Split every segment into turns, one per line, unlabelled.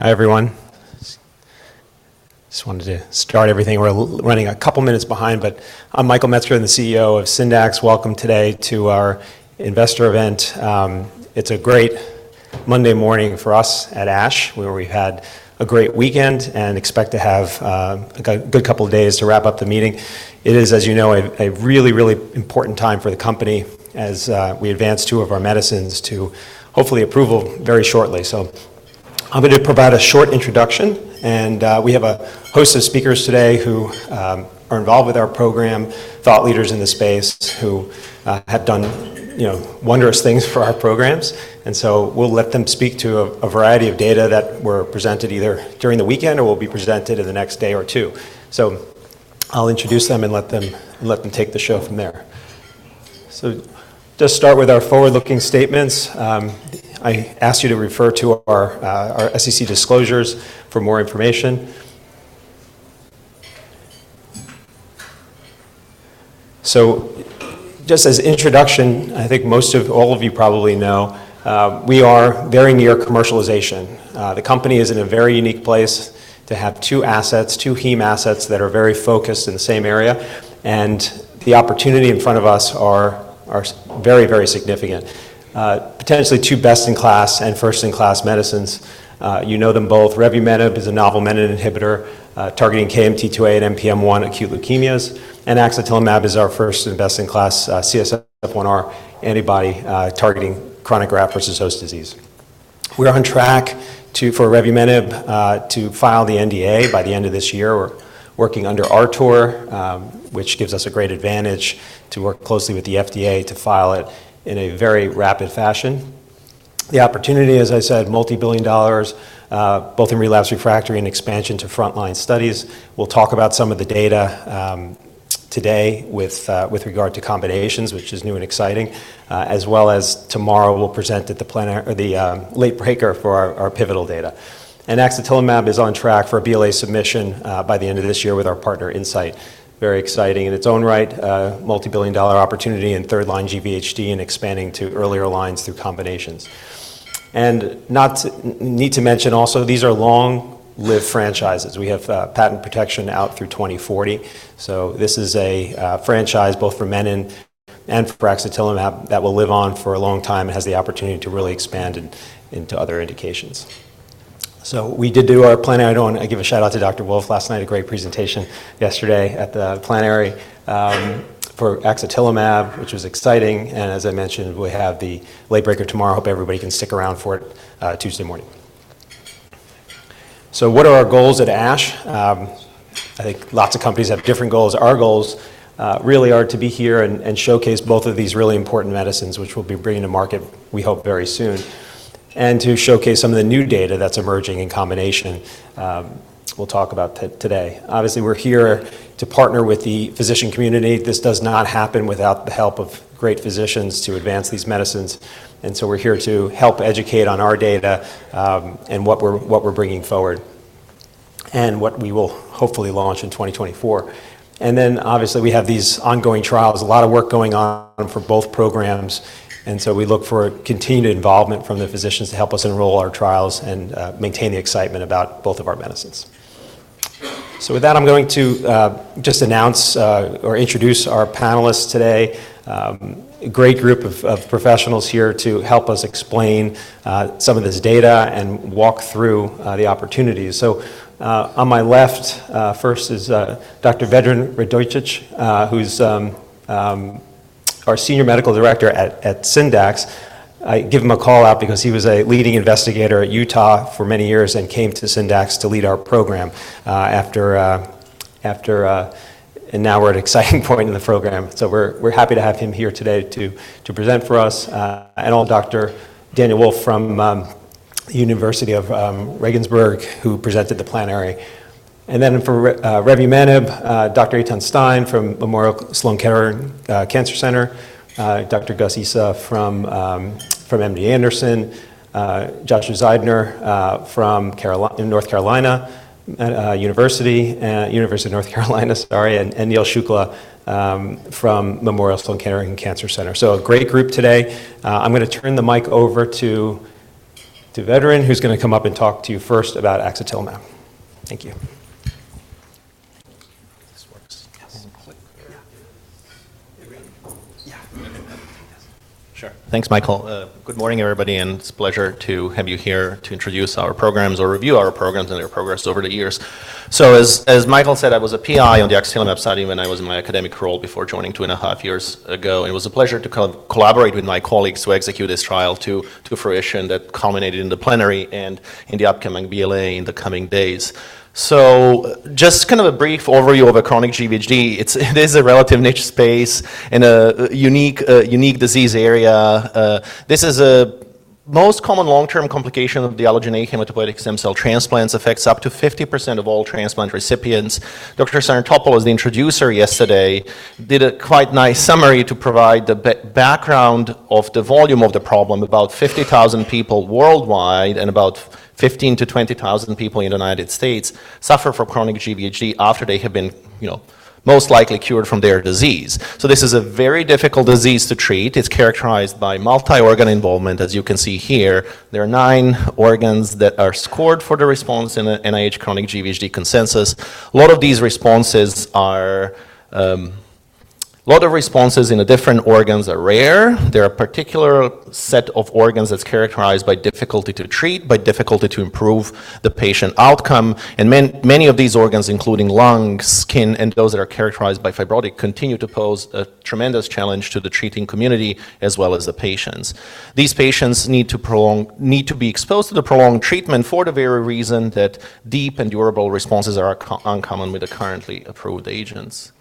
Hi, everyone. Just wanted to start everything. We're running a couple of minutes behind, but I'm Michael Metzger, I'm the CEO of Syndax. Welcome today to our investor event. It's a great Monday morning for us at ASH, where we had a great weekend and expect to have a good couple of days to wrap up the meeting. It is, as you know, a really, really important time for the company as we advance two of our medicines to hopefully approval very shortly. So I'm going to provide a short introduction, and we have a host of speakers today who are involved with our program, thought leaders in this space, who have done, you know, wondrous things for our programs. And so we'll let them speak to a variety of data that were presented either during the weekend or will be presented in the next day or two. So I'll introduce them and let them take the show from there. So just start with our forward-looking statements. I ask you to refer to our SEC disclosures for more information. So just as introduction, I think most of all of you probably know, we are very near commercialization. The company is in a very unique place to have two assets, two heme assets that are very focused in the same area, and the opportunity in front of us are very, very significant. Potentially two best-in-class and first-in-class medicines. You know them both. Revumenib is a novel menin inhibitor, targeting KMT2A and NPM1 acute leukemias, and axatilimab is our first and best-in-class, CSF-1R antibody, targeting chronic graft-versus-host disease. We are on track to, for revumenib, to file the NDA by the end of this year. We're working under RTOR, which gives us a great advantage to work closely with the FDA to file it in a very rapid fashion. The opportunity, as I said, multi-billion dollars, both in relapsed, refractory, and expansion to frontline studies. We'll talk about some of the data, today with, with regard to combinations, which is new and exciting, as well as tomorrow, we'll present at the plenary... or the, late breaker for our pivotal data. And axatilimab is on track for a BLA submission, by the end of this year with our partner, Incyte. Very exciting in its own right, multi-billion-dollar opportunity in third-line GVHD and expanding to earlier lines through combinations. And not to mention also, these are long-lived franchises. We have, patent protection out through 2040, so this is a, franchise both for menin and for axatilimab that will live on for a long time and has the opportunity to really expand in, into other indications. So we did do our planning, and I want to give a shout-out to Dr. Wolff last night, a great presentation yesterday at the plenary for axatilimab, which was exciting, and as I mentioned, we have the late breaker tomorrow. Hope everybody can stick around for it, Tuesday morning. So what are our goals at ASH? I think lots of companies have different goals. Our goals really are to be here and showcase both of these really important medicines, which we'll be bringing to market, we hope, very soon, and to showcase some of the new data that's emerging in combination, we'll talk about today. Obviously, we're here to partner with the physician community. This does not happen without the help of great physicians to advance these medicines, and so we're here to help educate on our data, and what we're bringing forward, and what we will hopefully launch in 2024. Obviously, we have these ongoing trials, a lot of work going on for both programs, and so we look for continued involvement from the physicians to help us enroll our trials and maintain the excitement about both of our medicines. So with that, I'm going to just announce or introduce our panelists today. A great group of professionals here to help us explain some of this data and walk through the opportunities. So, on my left, first is Dr. Vedran Radojcic, who's our Senior Medical Director at Syndax. I give him a call-out because he was a leading investigator at Utah for many years and came to Syndax to lead our program after... And now we're at exciting point in the program. So we're happy to have him here today to present for us, and also Dr. Daniel Wolff from University of Regensburg, who presented the plenary. And then for revumenib, Dr. Eytan Stein from Memorial Sloan Kettering Cancer Center, Dr. Ghayas Issa from MD Anderson, Joshua Zeidner from Carolina, North Carolina, University of North Carolina, sorry, and Neerav Shukla from Memorial Sloan Kettering Cancer Center. So a great group today. I'm gonna turn the mic over to Vedran, who's gonna come up and talk to you first about axatilimab. Thank you.
This works?
Yes.
Yeah. Yeah. Sure. Thanks, Michael. Good morning, everybody, and it's a pleasure to have you here to introduce our programs or review our programs and their progress over the years. So as Michael said, I was a PI on the axatilimab study when I was in my academic role before joining 2.5 years ago, and it was a pleasure to collaborate with my colleagues to execute this trial to fruition that culminated in the plenary and in the upcoming BLA in the coming days. So just kind of a brief overview of chronic GVHD. It is a relative niche space and a unique disease area. This is the most common long-term complication of the allogeneic hematopoietic stem cell transplants, affects up to 50% of all transplant recipients. Dr. Sarantopoulos, as the introducer yesterday, did a quite nice summary to provide the background of the volume of the problem. About 50,000 people worldwide and about 15,000-20,000 people in the United States suffer from chronic GVHD after they have been, you know, most likely cured from their disease. So this is a very difficult disease to treat. It's characterized by multi-organ involvement, as you can see here. There are nine organs that are scored for the response in a NIH chronic GVHD consensus. A lot of responses in the different organs are rare. There are particular set of organs that's characterized by difficulty to treat, by difficulty to improve the patient outcome, and many of these organs, including lungs, skin, and those that are characterized by fibrotic, continue to pose a tremendous challenge to the treating community as well as the patients. These patients need to be exposed to the prolonged treatment for the very reason that deep and durable responses are uncommon with the currently approved agents.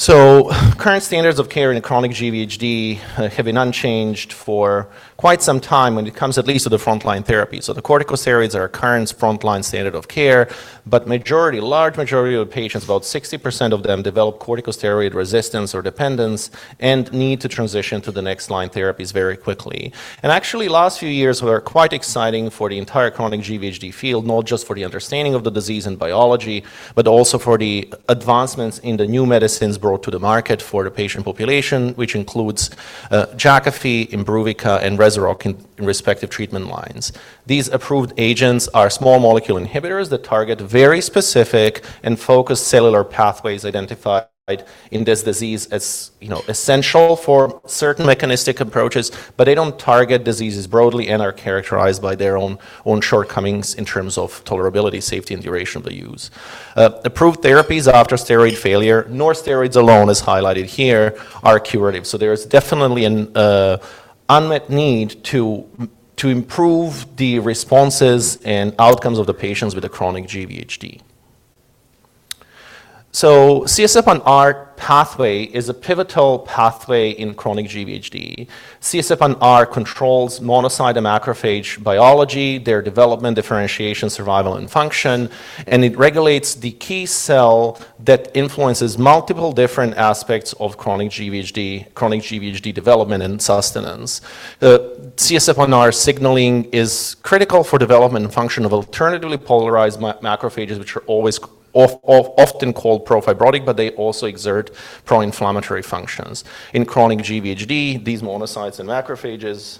So current standards of care in chronic GVHD have been unchanged for quite some time when it comes at least to the frontline therapy. So the corticosteroids are our current frontline standard of care, but majority, large majority of patients, about 60% of them, develop corticosteroid resistance or dependence and need to transition to the next line therapies very quickly. Actually, last few years were quite exciting for the entire chronic GVHD field, not just for the understanding of the disease and biology, but also for the advancements in the new medicines brought to the market for the patient population, which includes Jakafi, Imbruvica, and Rezurock in respective treatment lines. These approved agents are small molecule inhibitors that target very specific and focused cellular pathways identified in this disease as, you know, essential for certain mechanistic approaches, but they don't target diseases broadly and are characterized by their own shortcomings in terms of tolerability, safety, and duration of the use. Approved therapies after steroid failure, nor steroids alone, is highlighted here, are curative. So there's definitely an unmet need to improve the responses and outcomes of the patients with a chronic GVHD. CSF-1R pathway is a pivotal pathway in chronic GVHD. CSF-1R controls monocyte and macrophage biology, their development, differentiation, survival, and function, and it regulates the key cell that influences multiple different aspects of chronic GVHD, chronic GVHD development and sustenance. The CSF-1R signaling is critical for development and function of alternatively polarized macrophages, which are always often called pro-fibrotic, but they also exert pro-inflammatory functions. In chronic GVHD, these monocytes and macrophages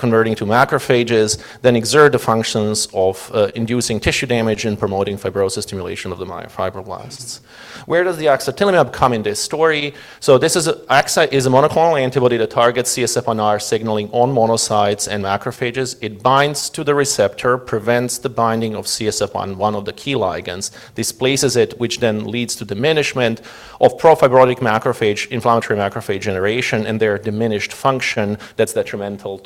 converting to macrophages then exert the functions of inducing tissue damage and promoting fibrosis stimulation of the myofibroblasts. Where does the axatilimab come in this story? So this is axa is a monoclonal antibody that targets CSF-1R signaling on monocytes and macrophages. It binds to the receptor, prevents the binding of CSF-1, one of the key ligands, displaces it, which then leads to diminishment of pro-fibrotic macrophage, inflammatory macrophage generation, and their diminished function that's detrimental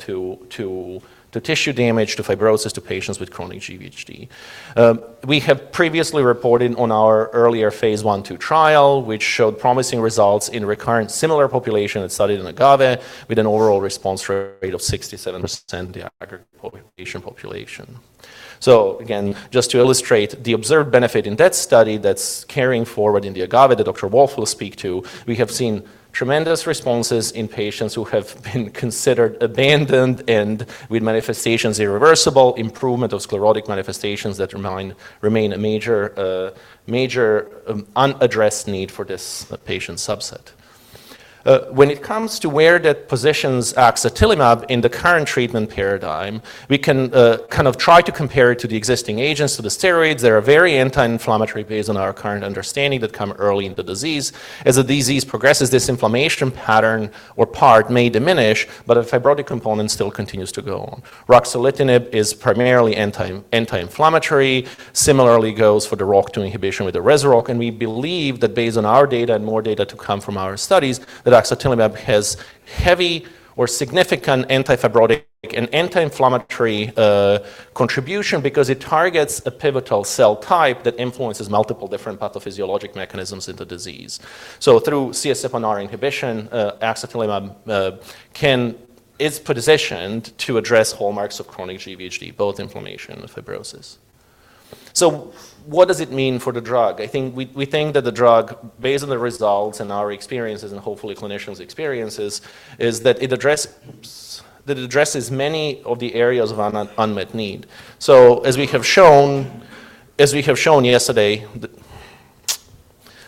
to tissue damage, to fibrosis, to patients with chronic GVHD. We have previously reported on our earlier phase I/II trial, which showed promising results in recurrent similar population that studied in AGAVE with an overall response rate of 67%, the aggregate patient population. So again, just to illustrate the observed benefit in that study that's carrying forward in the AGAVE that Dr. Wolff will speak to, we have seen tremendous responses in patients who have been considered abandoned and with manifestations, irreversible improvement of sclerotic manifestations that remain a major unaddressed need for this patient subset. When it comes to where that positions axatilimab in the current treatment paradigm, we can kind of try to compare it to the existing agents. So the steroids, they are very anti-inflammatory based on our current understanding that come early in the disease. As the disease progresses, this inflammation pattern or part may diminish, but the fibrotic component still continues to go on. Ruxolitinib is primarily anti-inflammatory, similarly goes for the ROCK2 inhibition with the Rezurock. And we believe that based on our data and more data to come from our studies, that axatilimab has heavy or significant anti-fibrotic and anti-inflammatory contribution because it targets a pivotal cell type that influences multiple different pathophysiologic mechanisms in the disease. So through CSF-1R inhibition, axatilimab is positioned to address hallmarks of chronic GVHD, both inflammation and fibrosis. So what does it mean for the drug? I think we, we think that the drug, based on the results and our experiences, and hopefully clinicians' experiences, is that it address, that it addresses many of the areas of unmet need. So as we have shown, as we have shown yesterday,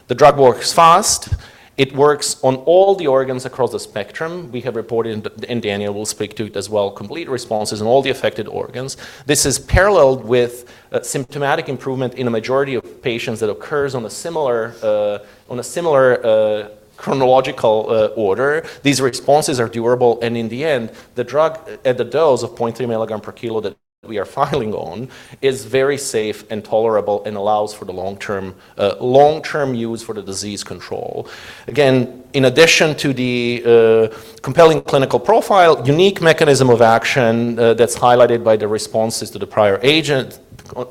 the drug works fast. It works on all the organs across the spectrum. We have reported, and Daniel will speak to it as well, complete responses in all the affected organs. This is paralleled with symptomatic improvement in a majority of patients that occurs on a similar, on a similar chronological order. These responses are durable, and in the end, the drug at the dose of 0.3 milligram per kilo that we are filing on, is very safe and tolerable and allows for the long-term, long-term use for the disease control. Again, in addition to the compelling clinical profile, unique mechanism of action that's highlighted by the responses to the prior agent,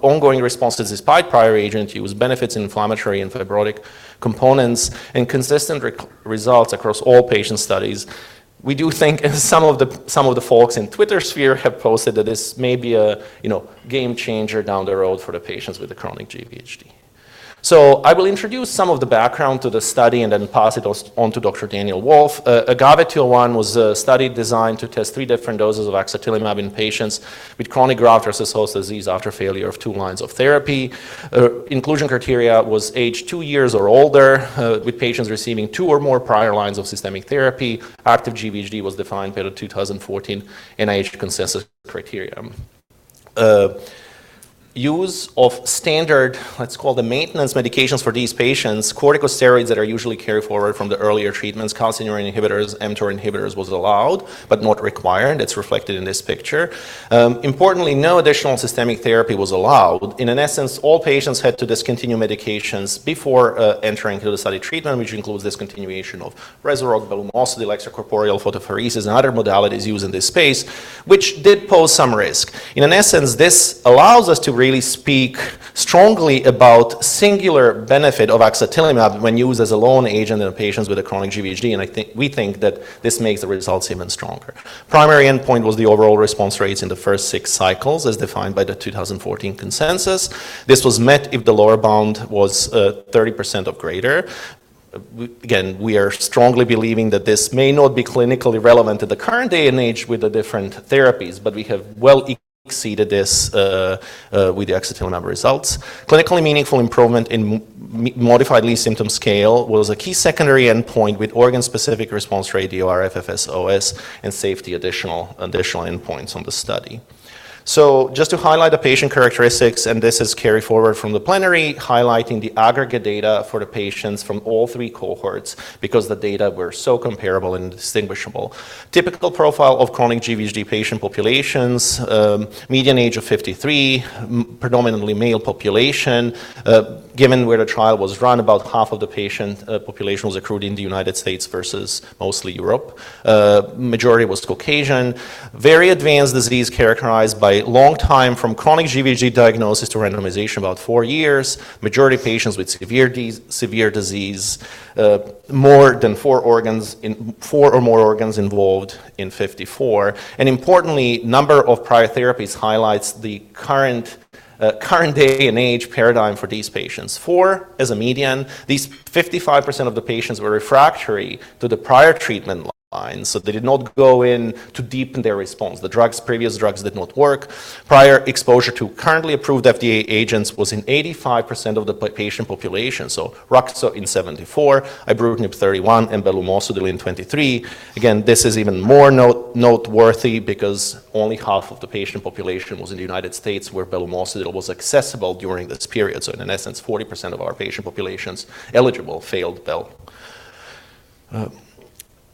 ongoing responses despite prior agent use, benefits in inflammatory and fibrotic components, and consistent results across all patient studies. We do think, as some of the, some of the folks in Twitter sphere have posted, that this may be a, you know, game changer down the road for the patients with the chronic GVHD. So I will introduce some of the background to the study and then pass it on to Dr. Daniel Wolff. AGAVE-201 was a study designed to test three different doses of axatilimab in patients with chronic graft-versus-host disease after failure of two lines of therapy. Inclusion criteria was age two years or older, with patients receiving two or more prior lines of systemic therapy. Active GVHD was defined per the 2014 NIH Consensus Criteria. Use of standard, let's call the maintenance medications for these patients, corticosteroids that are usually carried forward from the earlier treatments, calcineurin inhibitors, mTOR inhibitors was allowed but not required. It's reflected in this picture. Importantly, no additional systemic therapy was allowed. In essence, all patients had to discontinue medications before entering into the study treatment, which includes discontinuation of Rezurock, but also the extracorporeal photopheresis and other modalities used in this space, which did pose some risk. In essence, this allows us to really speak strongly about singular benefit of axatilimab when used as a lone agent in patients with a chronic GVHD, and I think, we think that this makes the results even stronger. Primary endpoint was the overall response rates in the first six cycles, as defined by the 2014 consensus. This was met if the lower bound was 30% or greater. We, again, we are strongly believing that this may not be clinically relevant in the current day and age with the different therapies, but we have well exceeded this with the axatilimab results. Clinically meaningful improvement in modified Lee symptom scale was a key secondary endpoint with organ-specific response rate, the ORR, OS, and safety additional endpoints on the study. Just to highlight the patient characteristics, and this is carried forward from the plenary, highlighting the aggregate data for the patients from all three cohorts because the data were so comparable and distinguishable. Typical profile of chronic GVHD patient populations: median age of 53, predominantly male population. Given where the trial was run, about half of the patient population was accrued in the United States versus mostly Europe. Majority was Caucasian. Very advanced disease characterized by long time from chronic GVHD diagnosis to randomization, about 4 years. Majority of patients with severe disease, more than four organs in four or more organs involved in 54%. Importantly, number of prior therapies highlights the current day and age paradigm for these patients. 4, as a median, 55% of the patients were refractory to the prior treatment lines, so they did not go in to deepen their response. The previous drugs did not work. Prior exposure to currently approved FDA agents was in 85% of the patient population. So ruxolitinib in 74%, ibrutinib 31%, and belumosudil in 23%. Again, this is even more noteworthy because only 50% of the patient population was in the United States, where belumosudil was accessible during this period. So in essence, 40% of our patient populations eligible failed belumosudil.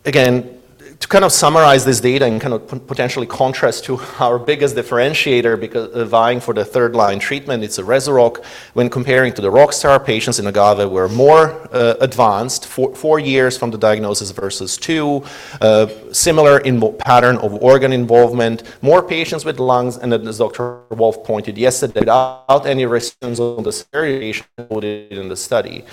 Again, to kind of summarize this data and kind of potentially contrast to our biggest differentiator, because, vying for the third-line treatment, it's a Rezurock when comparing to the refractory patients in AGAVE were more advanced, four years from the diagnosis versus two. Similar in what pattern of organ involvement, more patients with lungs, and then as Dr. Wolff pointed yesterday, without any response or discontinuation in the study.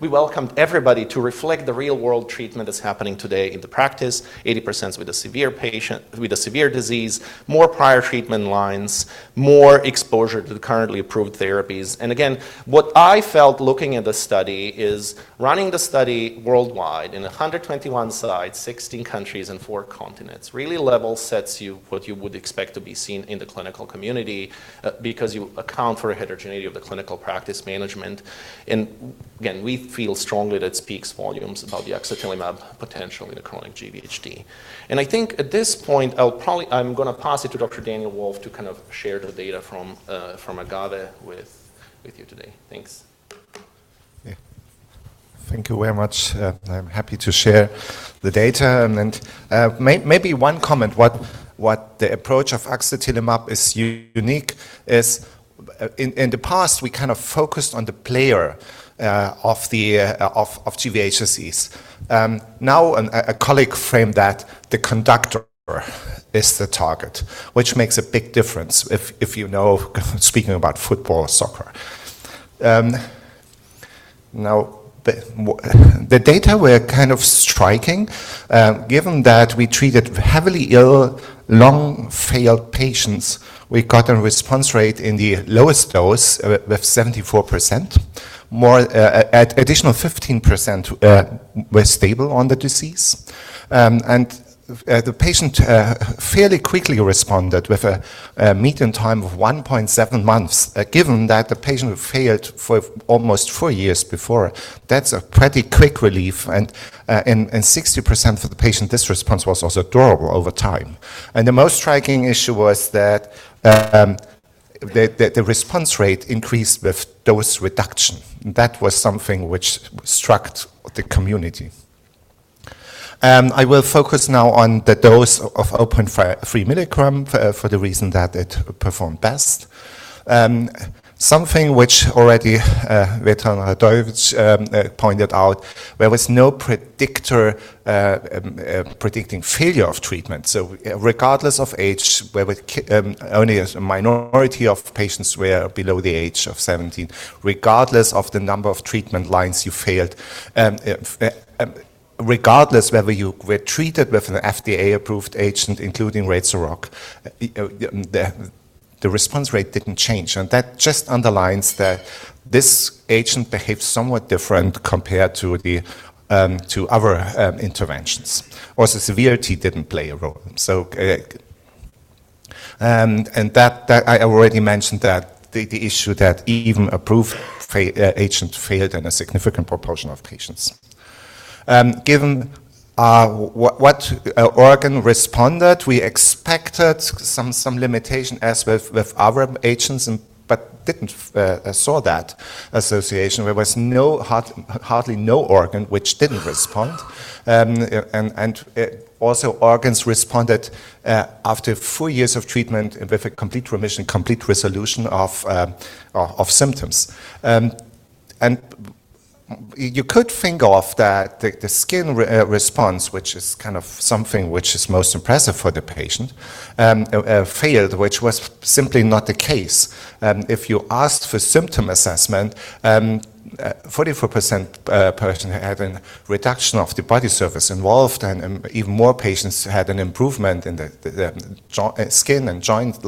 We welcomed everybody to reflect the real-world treatment that's happening today in the practice, 80% with a severe patient, with a severe disease, more prior treatment lines, more exposure to the currently approved therapies. Again, what I felt looking at the study is running the study worldwide in 121 sites, 16 countries, and four continents, really level sets you what you would expect to be seen in the clinical community, because you account for a heterogeneity of the clinical practice management. And again, we feel strongly that speaks volumes about the axatilimab potential in the chronic GVHD. And I think at this point, I'll probably... I'm gonna pass it to Dr. Daniel Wolff to kind of share the data from, from AGAVE with, with you today. Thanks.
Yeah. Thank you very much. I'm happy to share the data, and, maybe one comment, what the approach of axatilimab is unique is, in the past, we kind of focused on the player of the GVHD. Now, and a colleague framed that the conductor is the target, which makes a big difference if you know, speaking about football or soccer. Now, the data were kind of striking, given that we treated heavily ill, long-failed patients. We got a response rate in the lowest dose with 74%. More, an additional 15% were stable on the disease. And, the patient fairly quickly responded with a median time of 1.7 months. Given that the patient failed for almost four years before, that's a pretty quick relief, and, and 60% for the patient, this response was also durable over time. The most striking issue was that the response rate increased with dose reduction. That was something which struck the community. I will focus now on the dose of 3 mg for the reason that it performed best. Something which already Vedran Radojcic pointed out, there was no predictor predicting failure of treatment. So regardless of age, whether with KMT2A, only a minority of patients were below the age of 17, regardless of the number of treatment lines you failed, regardless whether you were treated with an FDA-approved agent, including Rezurock, the response rate didn't change, and that just underlines that this agent behaves somewhat different compared to the other interventions. Also, severity didn't play a role. And that I already mentioned that the issue that even approved agents failed in a significant proportion of patients. Given what organ responded, we expected some limitation as with other agents, but didn't see that association. There was hardly no organ which didn't respond. Also organs responded after four years of treatment with a complete remission, complete resolution of symptoms. You could think of that the skin response, which is kind of something which is most impressive for the patient, failed, which was simply not the case. If you asked for symptom assessment, 44% persons had a reduction of the body surface involved, and even more patients had an improvement in the skin and joint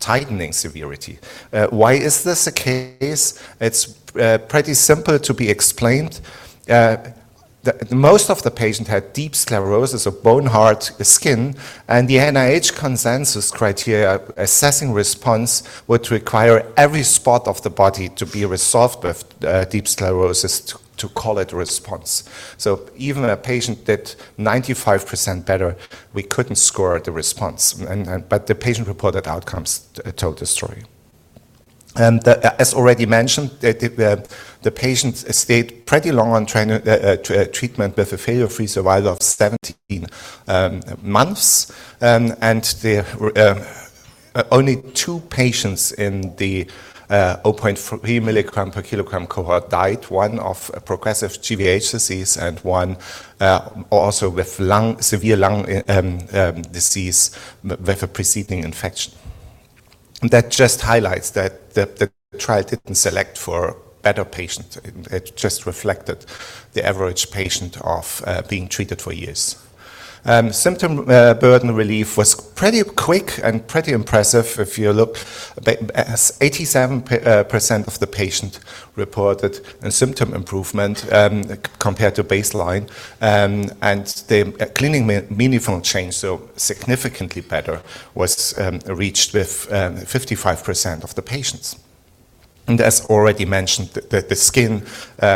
tightening severity. Why is this the case? It's pretty simple to be explained. The most of the patients had deep sclerosis of bone, heart, skin, and the NIH Consensus Criteria assessing response would require every spot of the body to be resolved with deep sclerosis to call it a response. So even a patient that 95% better, we couldn't score the response, and but the patient-reported outcomes told the story. And as already mentioned, the patients stayed pretty long on treatment with a failure-free survival of 17 months. And there were only two patients in the 0.3 milligram per kilogram cohort died, one of progressive GVHD and one also with lung—severe lung disease with a preceding infection. That just highlights that the trial didn't select for better patients. It just reflected the average patient of being treated for years. Symptom burden relief was pretty quick and pretty impressive if you look. But 87% of the patient reported a symptom improvement compared to baseline. The clinically meaningful change, so significantly better, was reached with 55% of the patients. As already mentioned, the skin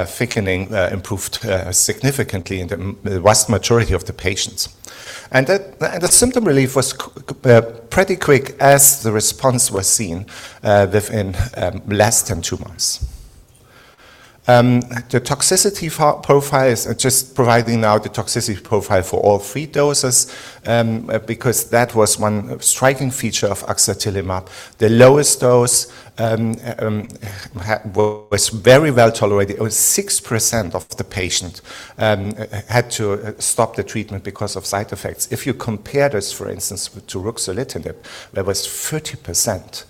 thickening improved significantly in the vast majority of the patients. The symptom relief was pretty quick as the response was seen within less than two months. The toxicity profile is just providing now the toxicity profile for all three doses because that was one striking feature of axatilimab. The lowest dose was very well tolerated. It was 6% of the patients had to stop the treatment because of side effects. If you compare this, for instance, to ruxolitinib, there was 30%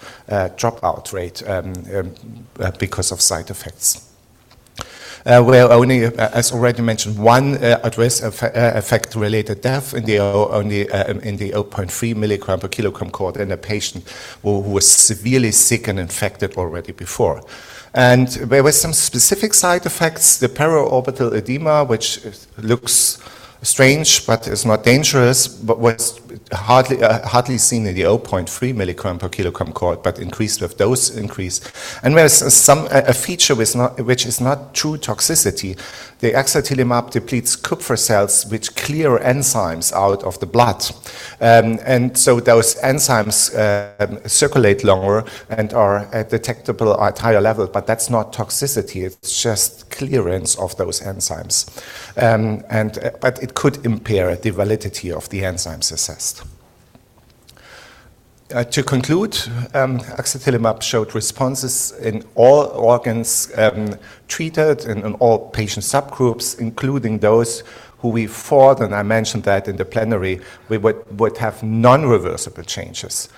dropout rate because of side effects. Well, only, as already mentioned, one adverse effect-related death in the only in the 0.3 milligram per kilogram cohort in a patient who was severely sick and infected already before. And there were some specific side effects, the periorbital edema, which looks strange but is not dangerous, but was hardly seen in the 0.3 milligram per kilogram cohort, but increased with dose increase. And there's some a feature which is not true toxicity. The axatilimab depletes Kupffer cells, which clear enzymes out of the blood. And so those enzymes circulate longer and are detectable at higher levels, but that's not toxicity. It's just clearance of those enzymes. But it could impair the validity of the enzyme success. To conclude, axatilimab showed responses in all organs treated and in all patient subgroups, including those who we thought, and I mentioned that in the plenary, we would have non-reversible changes.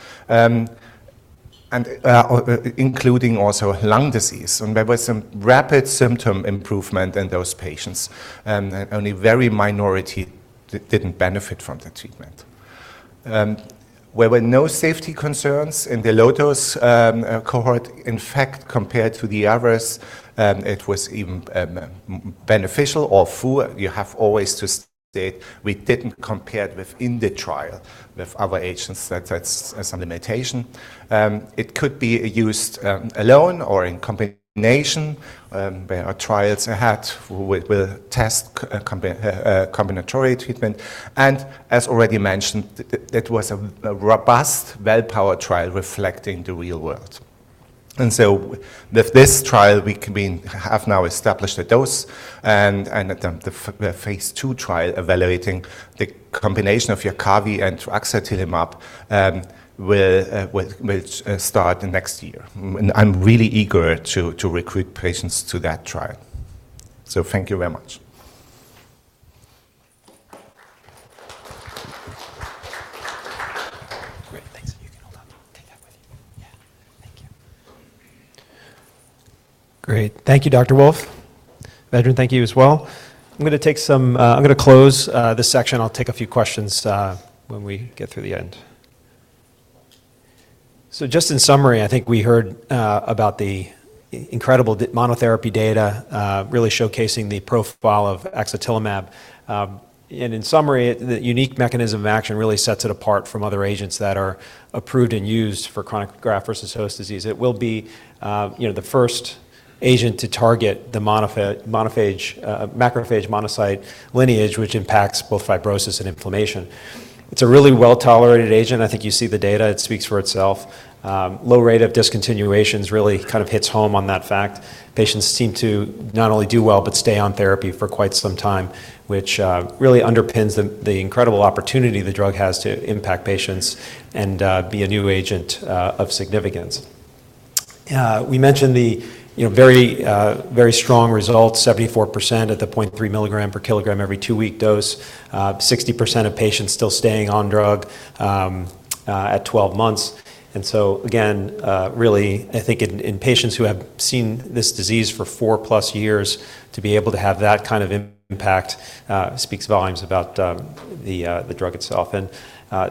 Including also lung disease, and there was some rapid symptom improvement in those patients, and only very minority didn't benefit from the treatment. There were no safety concerns in the low-dose cohort. In fact, compared to the others, it was even beneficial or full. You have always to state we didn't compare it with in the trial with other agents. That's as a limitation. It could be used, alone or in combination. There are trials ahead with combinatory treatment, and as already mentioned, it was a robust, well-powered trial reflecting the real world. And so with this trial, we can have now established a dose and at the phase II trial evaluating the combination of Jakavi and axatilimab will start next year. And I'm really eager to recruit patients to that trial. So thank you very much.
Great, thanks. You can hold on. Take that with you. Yeah. Thank you. Great. Thank you, Dr. Wolff. Vedran, thank you as well. I'm gonna take some. I'm gonna close this section. I'll take a few questions when we get through the end. So just in summary, I think we heard about the incredible monotherapy data, really showcasing the profile of axatilimab. And in summary, the unique mechanism of action really sets it apart from other agents that are approved and used for chronic graft-versus-host disease. It will be, you know, the first agent to target the macrophage monocyte lineage, which impacts both fibrosis and inflammation. It's a really well-tolerated agent. I think you see the data, it speaks for itself. Low rate of discontinuations really kind of hits home on that fact. Patients seem to not only do well, but stay on therapy for quite some time, which really underpins the incredible opportunity the drug has to impact patients and be a new agent of significance. We mentioned the, you know, very very strong results, 74% at the 0.3 mg/kg every two-week dose, 60% of patients still staying on drug at 12 months. And so again, really, I think in patients who have seen this disease for four+ years, to be able to have that kind of impact speaks volumes about the drug itself. And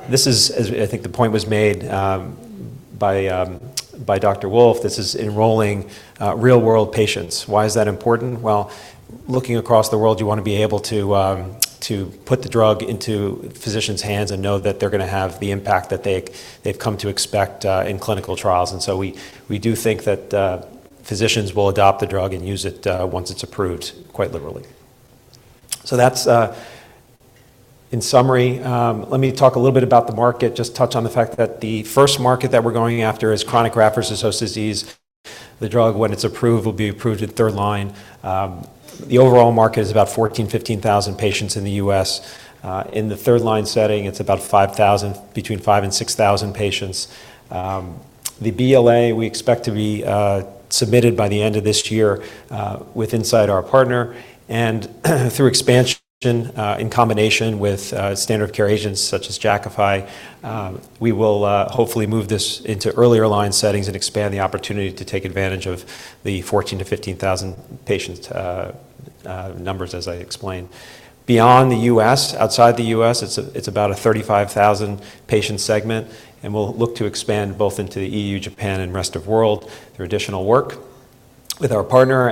this is- as I think the point was made by Dr. Wolff, this is enrolling real-world patients. Why is that important? Well, looking across the world, you want to be able to to put the drug into physicians' hands and know that they're gonna have the impact that they, they've come to expect in clinical trials. And so we, we do think that physicians will adopt the drug and use it once it's approved, quite literally. So that's... In summary, let me talk a little bit about the market. Just touch on the fact that the first market that we're going after is chronic graft-versus-host disease. The drug, when it's approved, will be approved in third-line. The overall market is about 14,000-15,000 patients in the U.S. In the third-line setting, it's about 5,000, between 5,000 and 6,000 patients. The BLA, we expect to be submitted by the end of this year with Incyte, our partner. Through expansion in combination with standard of care agents such as Jakafi, we will hopefully move this into earlier line settings and expand the opportunity to take advantage of the 14-15 thousand patient numbers, as I explained. Beyond the U.S., outside the U.S., it's it's about a 35,000 patient segment, and we'll look to expand both into the E.U., Japan, and rest of world through additional work with our partner.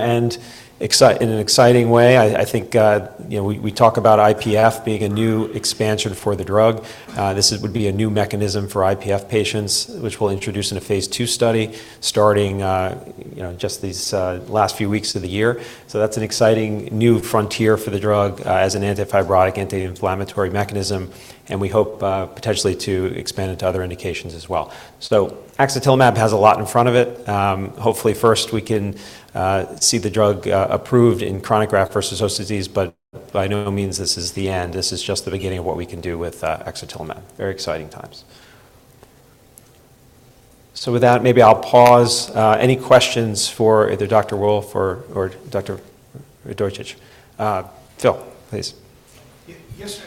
In an exciting way, I think, you know, we talk about IPF being a new expansion for the drug. This would be a new mechanism for IPF patients, which we'll introduce in a phase II study, starting, you know, just these last few weeks of the year. So that's an exciting new frontier for the drug as an anti-fibrotic, anti-inflammatory mechanism, and we hope potentially to expand into other indications as well. So axatilimab has a lot in front of it. Hopefully, first, we can see the drug approved in chronic graft-versus-host disease, but by no means this is the end. This is just the beginning of what we can do with axatilimab. Very exciting times. So with that, maybe I'll pause. Any questions for either Dr. Wolff or Dr. Radojcic? Phil, please.
Yes, sir.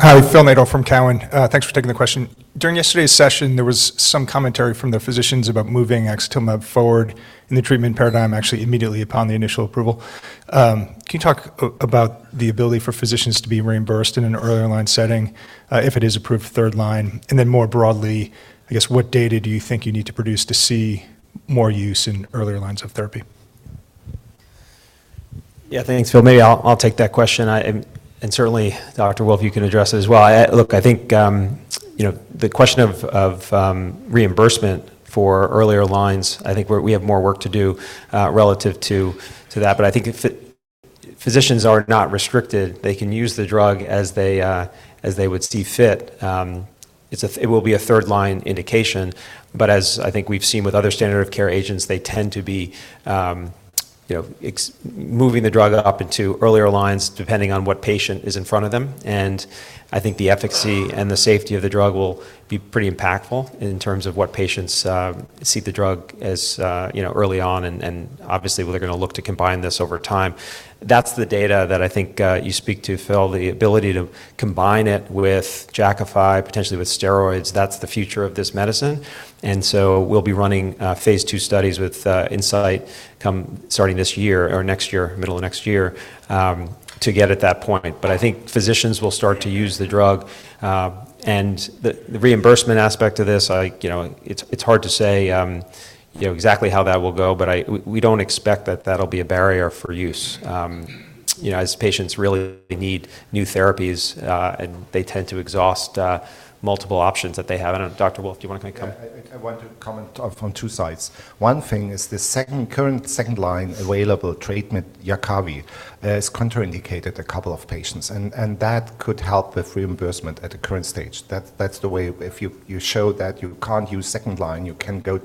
Yeah.
Hi, Phil Nadeau from Cowen. Thanks for taking the question. During yesterday's session, there was some commentary from the physicians about moving axatilimab forward in the treatment paradigm, actually immediately upon the initial approval. Can you talk about the ability for physicians to be reimbursed in an earlier line setting, if it is approved third line? And then more broadly, I guess, what data do you think you need to produce to see more use in earlier lines of therapy?
Yeah, thanks, Phil. Maybe I'll take that question. I and certainly, Dr. Wolff, you can address it as well. Look, I think, you know, the question of reimbursement for earlier lines, I think we're—we have more work to do, relative to that. But I think if physicians are not restricted, they can use the drug as they would see fit. It will be a third-line indication, but as I think we've seen with other standard of care agents, they tend to be, you know, moving the drug up into earlier lines, depending on what patient is in front of them. I think the efficacy and the safety of the drug will be pretty impactful in terms of what patients see the drug as, you know, early on, and obviously, we're gonna look to combine this over time. That's the data that I think you speak to, Phil, the ability to combine it with Jakafi, potentially with steroids. That's the future of this medicine, and so we'll be running phase II studies with Incyte starting this year or next year, middle of next year, to get at that point. But I think physicians will start to use the drug. And the reimbursement aspect of this, I. You know, it's hard to say, you know, exactly how that will go, but we, we don't expect that that'll be a barrier for use, you know, as patients really need new therapies, and they tend to exhaust multiple options that they have. And Dr. Wolff, do you want to come?
I want to comment on two sides. One thing is the current second-line available treatment, Jakafi, has contraindicated a couple of patients, and that could help with reimbursement at the current stage. That's the way, if you show that you can't use second line, you can go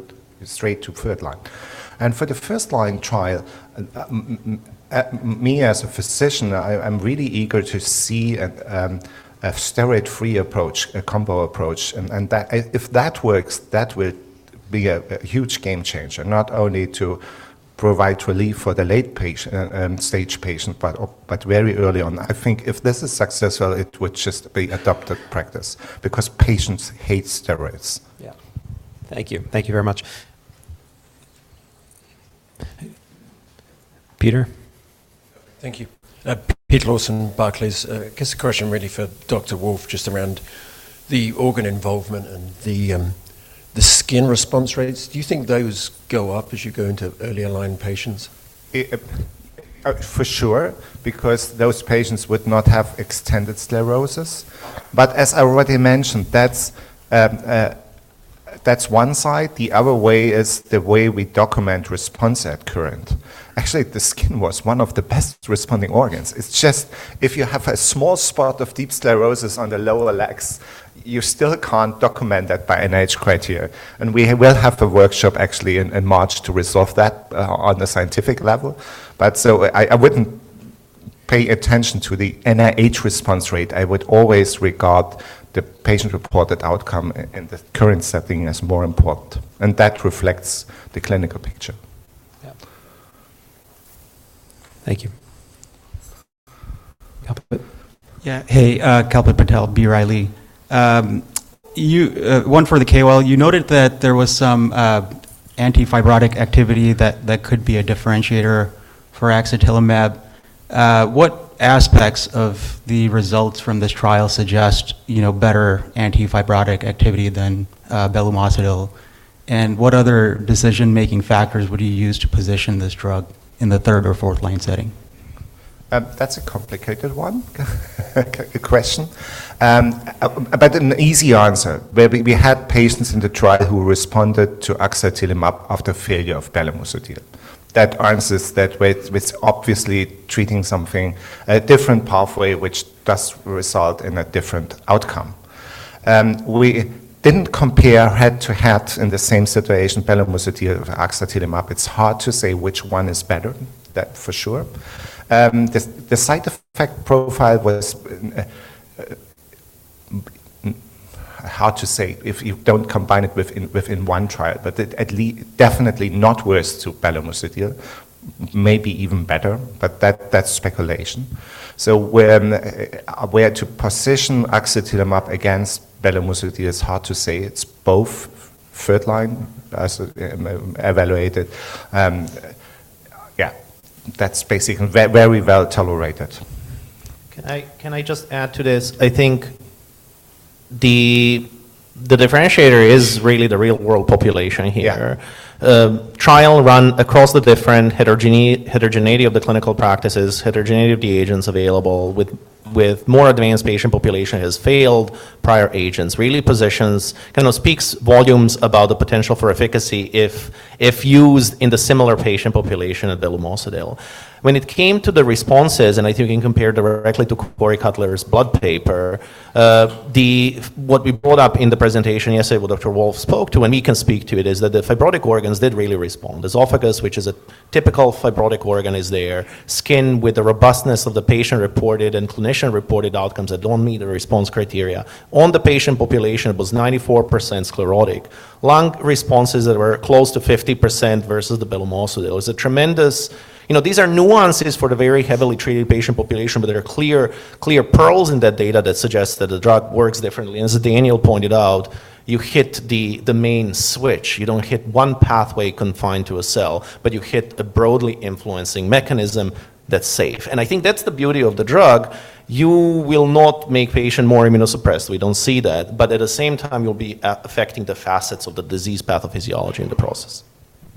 straight to third line. And for the first line trial, me, as a physician, I'm really eager to see a steroid-free approach, a combo approach. And that. If that works, that will be a huge game changer, not only to provide relief for the late stage patient, but very early on. I think if this is successful, it would just be adopted practice because patients hate steroids.
Yeah. Thank you.
Thank you very much.
Peter?
Thank you. Peter Mac Lawson, Barclays. I guess the question really for Dr. Wolff, just around the organ involvement and the, the skin response rates. Do you think those go up as you go into earlier line patients?
For sure, because those patients would not have extended sclerosis. But as I already mentioned, that's one side. The other way is the way we document response at current. Actually, the skin was one of the best responding organs. It's just if you have a small spot of deep sclerosis on the lower legs, you still can't document that by NIH criteria. And we will have the workshop actually in March to resolve that on the scientific level. But so I wouldn't pay attention to the NIH response rate. I would always regard the patient-reported outcome and the current setting as more important, and that reflects the clinical picture.
Yeah. Thank you. Kalpit?
Yeah. Hey, Kalpit Patel, B. Riley. One for the call. You noted that there was some anti-fibrotic activity that could be a differentiator for axatilimab. What aspects of the results from this trial suggest better anti-fibrotic activity than belumosudil? And what other decision-making factors would you use to position this drug in the third or fourth-line setting?
That's a complicated one, a question. But an easy answer, where we, we had patients in the trial who responded to axatilimab after failure of Belumosudil. That answers that way, with obviously treating something, a different pathway, which does result in a different outcome. We didn't compare head-to-head in the same situation, Belumosudil with axatilimab. It's hard to say which one is better, that for sure. The, the side effect profile was, hard to say if you don't combine it within, within one trial, but it definitely not worse to Belumosudil, maybe even better, but that, that's speculation. Where to position axatilimab against Belumosudil is hard to say. It's both third line, as evaluated. Yeah, that's basically very well tolerated.
Can I just add to this? I think the differentiator is really the real-world population here.
Yeah.
Trial run across the different heterogeneity of the clinical practices, heterogeneity of the agents available, with more advanced patient population has failed prior agents really positions kind of speaks volumes about the potential for efficacy if used in the similar patient population of Belumosudil. When it came to the responses, and I think in compared directly to Corey Cutler's Blood paper, what we brought up in the presentation yesterday, what Dr. Wolff spoke to, and he can speak to it, is that the fibrotic organs did really respond. Esophagus, which is a typical fibrotic organ, is there. Skin, with the robustness of the patient-reported and clinician-reported outcomes that don't meet the response criteria. On the patient population, it was 94% sclerotic. Lung responses that were close to 50% versus the Belumosudil. It's a tremendous. You know, these are nuances for the very heavily treated patient population, but there are clear, clear pearls in that data that suggests that the drug works differently. And as Daniel pointed out, you hit the, the main switch. You don't hit one pathway confined to a cell, but you hit a broadly influencing mechanism that's safe. And I think that's the beauty of the drug. You will not make patient more immunosuppressed. We don't see that, but at the same time, you'll be affecting the facets of the disease pathophysiology in the process.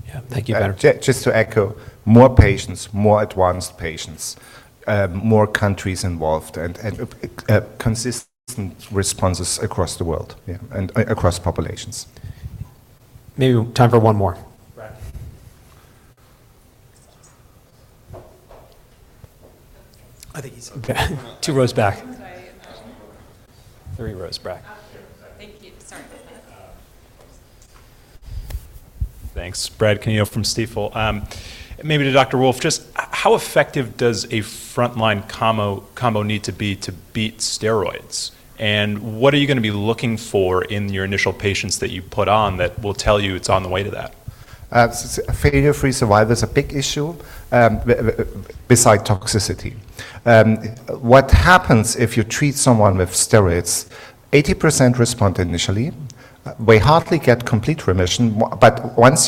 Yeah. Thank you.
Just, just to echo, more patients, more advanced patients, more countries involved, and consistent responses across the world, yeah, and across populations.
Maybe time for one more.
Brad.
I think he's.
Okay, two rows back.
Sorry.
Three rows back.
Thank you. Sorry.
Thanks. Bradley Canino from Stifel. Maybe to Dr. Wolff, just how effective does a frontline combo need to be to beat steroids? And what are you gonna be looking for in your initial patients that you put on that will tell you it's on the way to that?
Failure-free survival is a big issue beside toxicity. What happens if you treat someone with steroids, 80% respond initially. We hardly get complete remission, but once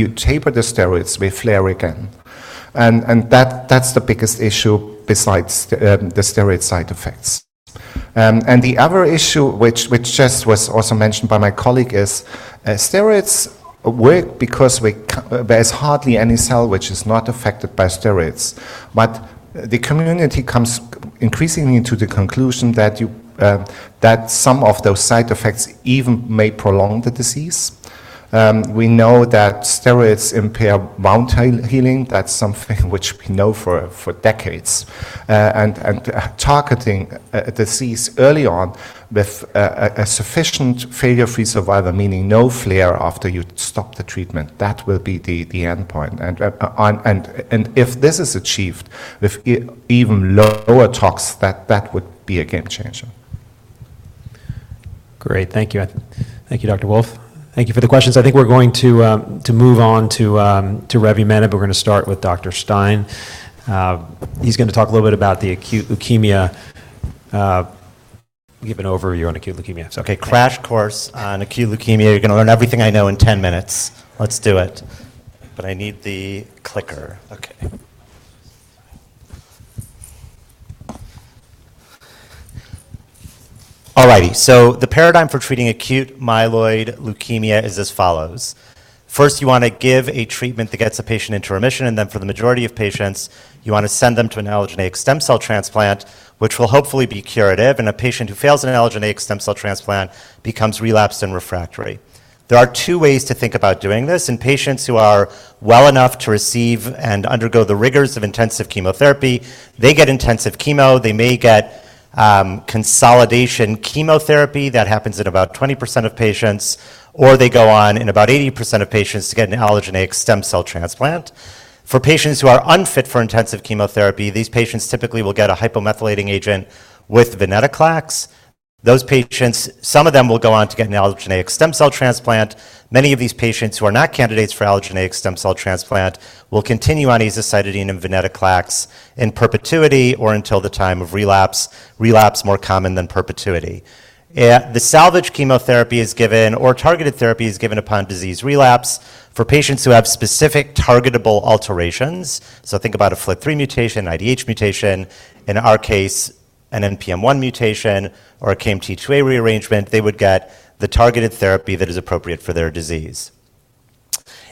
you taper the steroids, we flare again. And that, that's the biggest issue besides the steroid side effects. And the other issue, which just was also mentioned by my colleague, is steroids work because there's hardly any cell which is not affected by steroids. But the community comes increasingly to the conclusion that some of those side effects even may prolong the disease. We know that steroids impair bound healing. That's something which we know for decades. Targeting disease early on with a sufficient failure-free survival, meaning no flare after you stop the treatment, that will be the endpoint. And if this is achieved with even lower tox, that would be a game changer.
Great. Thank you. Thank you, Dr. Wolff. Thank you for the questions. I think we're going to to move on to to revumenib, but we're gonna start with Dr. Stein. He's gonna talk a little bit about the acute leukemia. We've been over. You're on acute leukemia. So, okay, crash course on acute leukemia. You're gonna learn everything I know in 10 minutes. Let's do it. But I need the clicker. Okay.
All righty. So the paradigm for treating acute myeloid leukemia is as follows: First, you want to give a treatment that gets a patient into remission, and then for the majority of patients, you want to send them to an allogeneic stem cell transplant, which will hopefully be curative. And a patient who fails an allogeneic stem cell transplant becomes relapsed and refractory. There are two ways to think about doing this. In patients who are well enough to receive and undergo the rigors of intensive chemotherapy, they get intensive chemo. They may get consolidation chemotherapy. That happens in about 20% of patients, or they go on, in about 80% of patients, to get an allogeneic stem cell transplant. For patients who are unfit for intensive chemotherapy, these patients typically will get a hypomethylating agent with venetoclax. Those patients, some of them will go on to get an allogeneic stem cell transplant. Many of these patients who are not candidates for allogeneic stem cell transplant will continue on azacitidine and venetoclax in perpetuity or until the time of relapse, relapse more common than perpetuity. The salvage chemotherapy is given or targeted therapy is given upon disease relapse for patients who have specific targetable alterations. So think about a FLT3 mutation, IDH mutation, in our case, an NPM1 mutation or a KMT2A rearrangement. They would get the targeted therapy that is appropriate for their disease.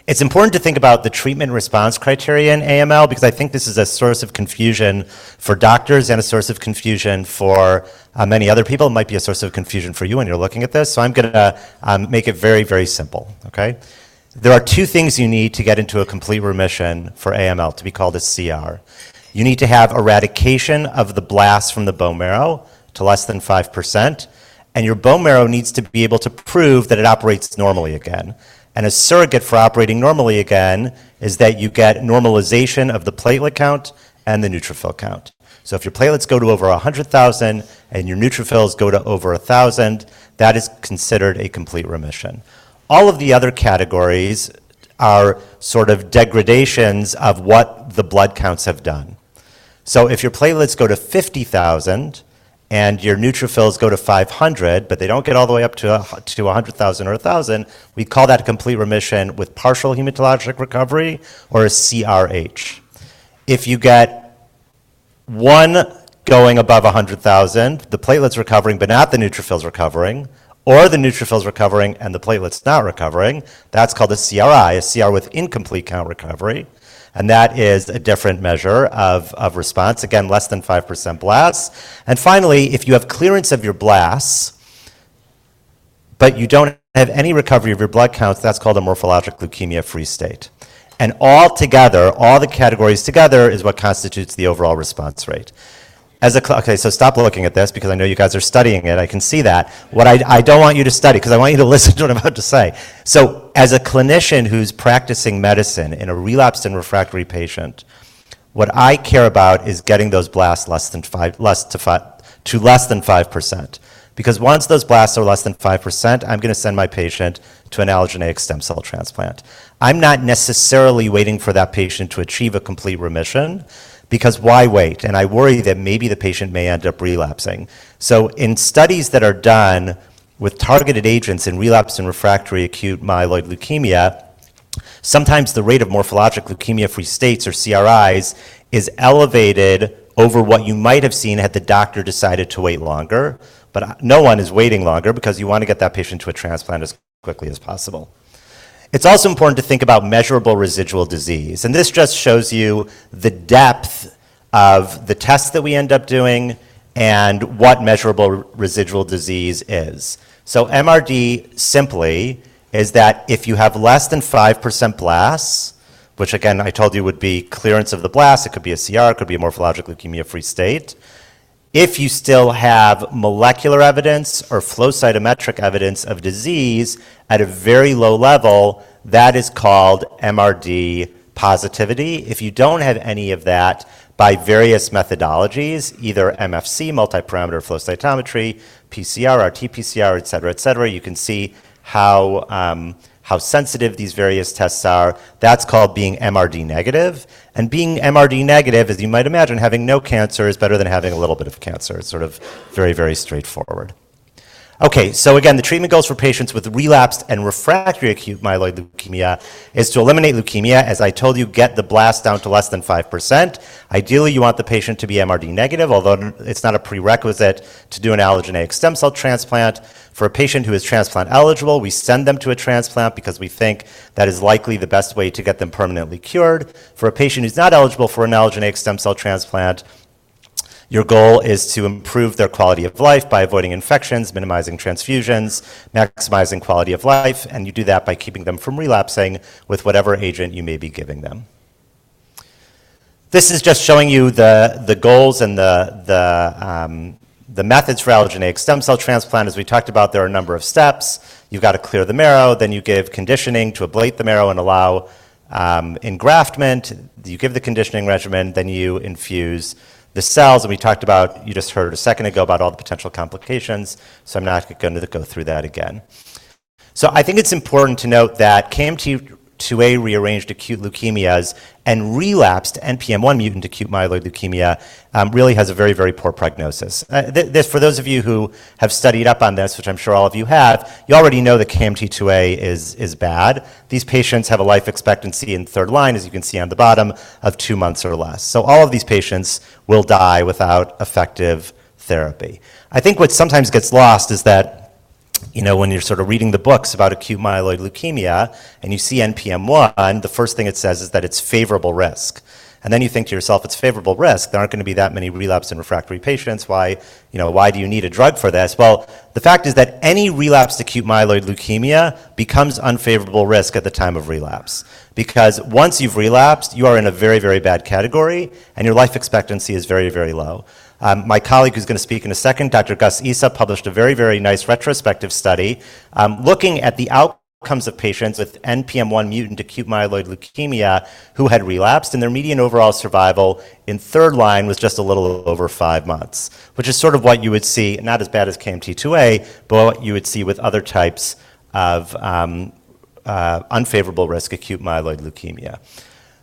It's important to think about the treatment response criteria in AML, because I think this is a source of confusion for doctors and a source of confusion for many other people. It might be a source of confusion for you when you're looking at this, so I'm gonna make it very, very simple, okay? There are two things you need to get into a complete remission for AML to be called a CR. You need to have eradication of the blast from the bone marrow to less than 5%, and your bone marrow needs to be able to prove that it operates normally again. A surrogate for operating normally again is that you get normalization of the platelet count and the neutrophil count. So if your platelets go to over 100,000 and your neutrophils go to over 1,000, that is considered a complete remission. All of the other categories are sort of degradations of what the blood counts have done. So if your platelets go to 50,000 and your neutrophils go to 500, but they don't get all the way up to a 100,000 or 1,000, we call that complete remission with partial hematologic recovery, or a CRH. If you get one going above 100,000, the platelets recovering, but not the neutrophils recovering, or the neutrophils recovering and the platelets not recovering, that's called a CRi, a CR with incomplete count recovery, and that is a different measure of response, again, less than 5% blasts. And finally, if you have clearance of your blasts, but you don't have any recovery of your blood counts, that's called a morphologic leukemia-free state. And all together, all the categories together, is what constitutes the overall response rate. As a cl. Okay, so stop looking at this because I know you guys are studying it. I can see that. What I don't want you to study because I want you to listen to what I'm about to say. So as a clinician who's practicing medicine in a relapsed and refractory patient, what I care about is getting those blasts less than 5%, because once those blasts are less than 5%, I'm gonna send my patient to an allogeneic stem cell transplant. I'm not necessarily waiting for that patient to achieve a complete remission, because why wait? And I worry that maybe the patient may end up relapsing. So in studies that are done with targeted agents in relapsed and refractory acute myeloid leukemia, sometimes the rate of morphologic leukemia-free states or CRIs is elevated over what you might have seen had the doctor decided to wait longer. But no one is waiting longer because you want to get that patient to a transplant as quickly as possible. It's also important to think about measurable residual disease, and this just shows you the depth of the tests that we end up doing and what measurable residual disease is. So MRD simply is that if you have less than 5% blasts, which again, I told you would be clearance of the blasts, it could be a CR, it could be a morphologic leukemia-free state. If you still have molecular evidence or flow cytometric evidence of disease at a very low level, that is called MRD positivity. If you don't have any of that by various methodologies, either MFC, multiparameter flow cytometry, PCR, RT-PCR, et cetera, et cetera, you can see how sensitive these various tests are. That's called being MRD negative. And being MRD negative, as you might imagine, having no cancer is better than having a little bit of cancer. It's sort of very, very straightforward. Okay, so again, the treatment goals for patients with relapsed and refractory acute myeloid leukemia is to eliminate leukemia, as I told you, get the blasts down to less than 5%. Ideally, you want the patient to be MRD negative, although it's not a prerequisite to do an allogeneic stem cell transplant. For a patient who is transplant eligible, we send them to a transplant because we think that is likely the best way to get them permanently cured. For a patient who's not eligible for an allogeneic stem cell transplant, your goal is to improve their quality of life by avoiding infections, minimizing transfusions, maximizing quality of life, and you do that by keeping them from relapsing with whatever agent you may be giving them. This is just showing you the goals and the methods for allogeneic stem cell transplant. As we talked about, there are a number of steps. You've got to clear the marrow, then you give conditioning to ablate the marrow and allow engraftment. You give the conditioning regimen, then you infuse the cells, and we talked about. You just heard a second ago about all the potential complications, so I'm not gonna go through that again. So I think it's important to note that KMT2A rearranged acute leukemias and relapsed NPM1 mutant acute myeloid leukemia really has a very, very poor prognosis. This, for those of you who have studied up on this, which I'm sure all of you have, you already know that KMT2A is bad. These patients have a life expectancy in third line, as you can see on the bottom, of two months or less. So all of these patients will die without effective therapy. I think what sometimes gets lost is that you know, when you're sort of reading the books about acute myeloid leukemia, and you see NPM1, the first thing it says is that it's favorable risk. And then you think to yourself: "It's favorable risk. There aren't gonna be that many relapse and refractory patients. Why, you know, why do you need a drug for this?" Well, the fact is that any relapsed acute myeloid leukemia becomes unfavorable risk at the time of relapse. Because once you've relapsed, you are in a very, very bad category, and your life expectancy is very, very low. My colleague, who's gonna speak in a second, Dr. Ghayas Issa, published a very, very nice retrospective study, looking at the outcomes of patients with NPM1 mutant acute myeloid leukemia who had relapsed, and their median overall survival in third line was just a little over five months, which is sort of what you would see, not as bad as KMT2A, but what you would see with other types of, unfavorable risk acute myeloid leukemia.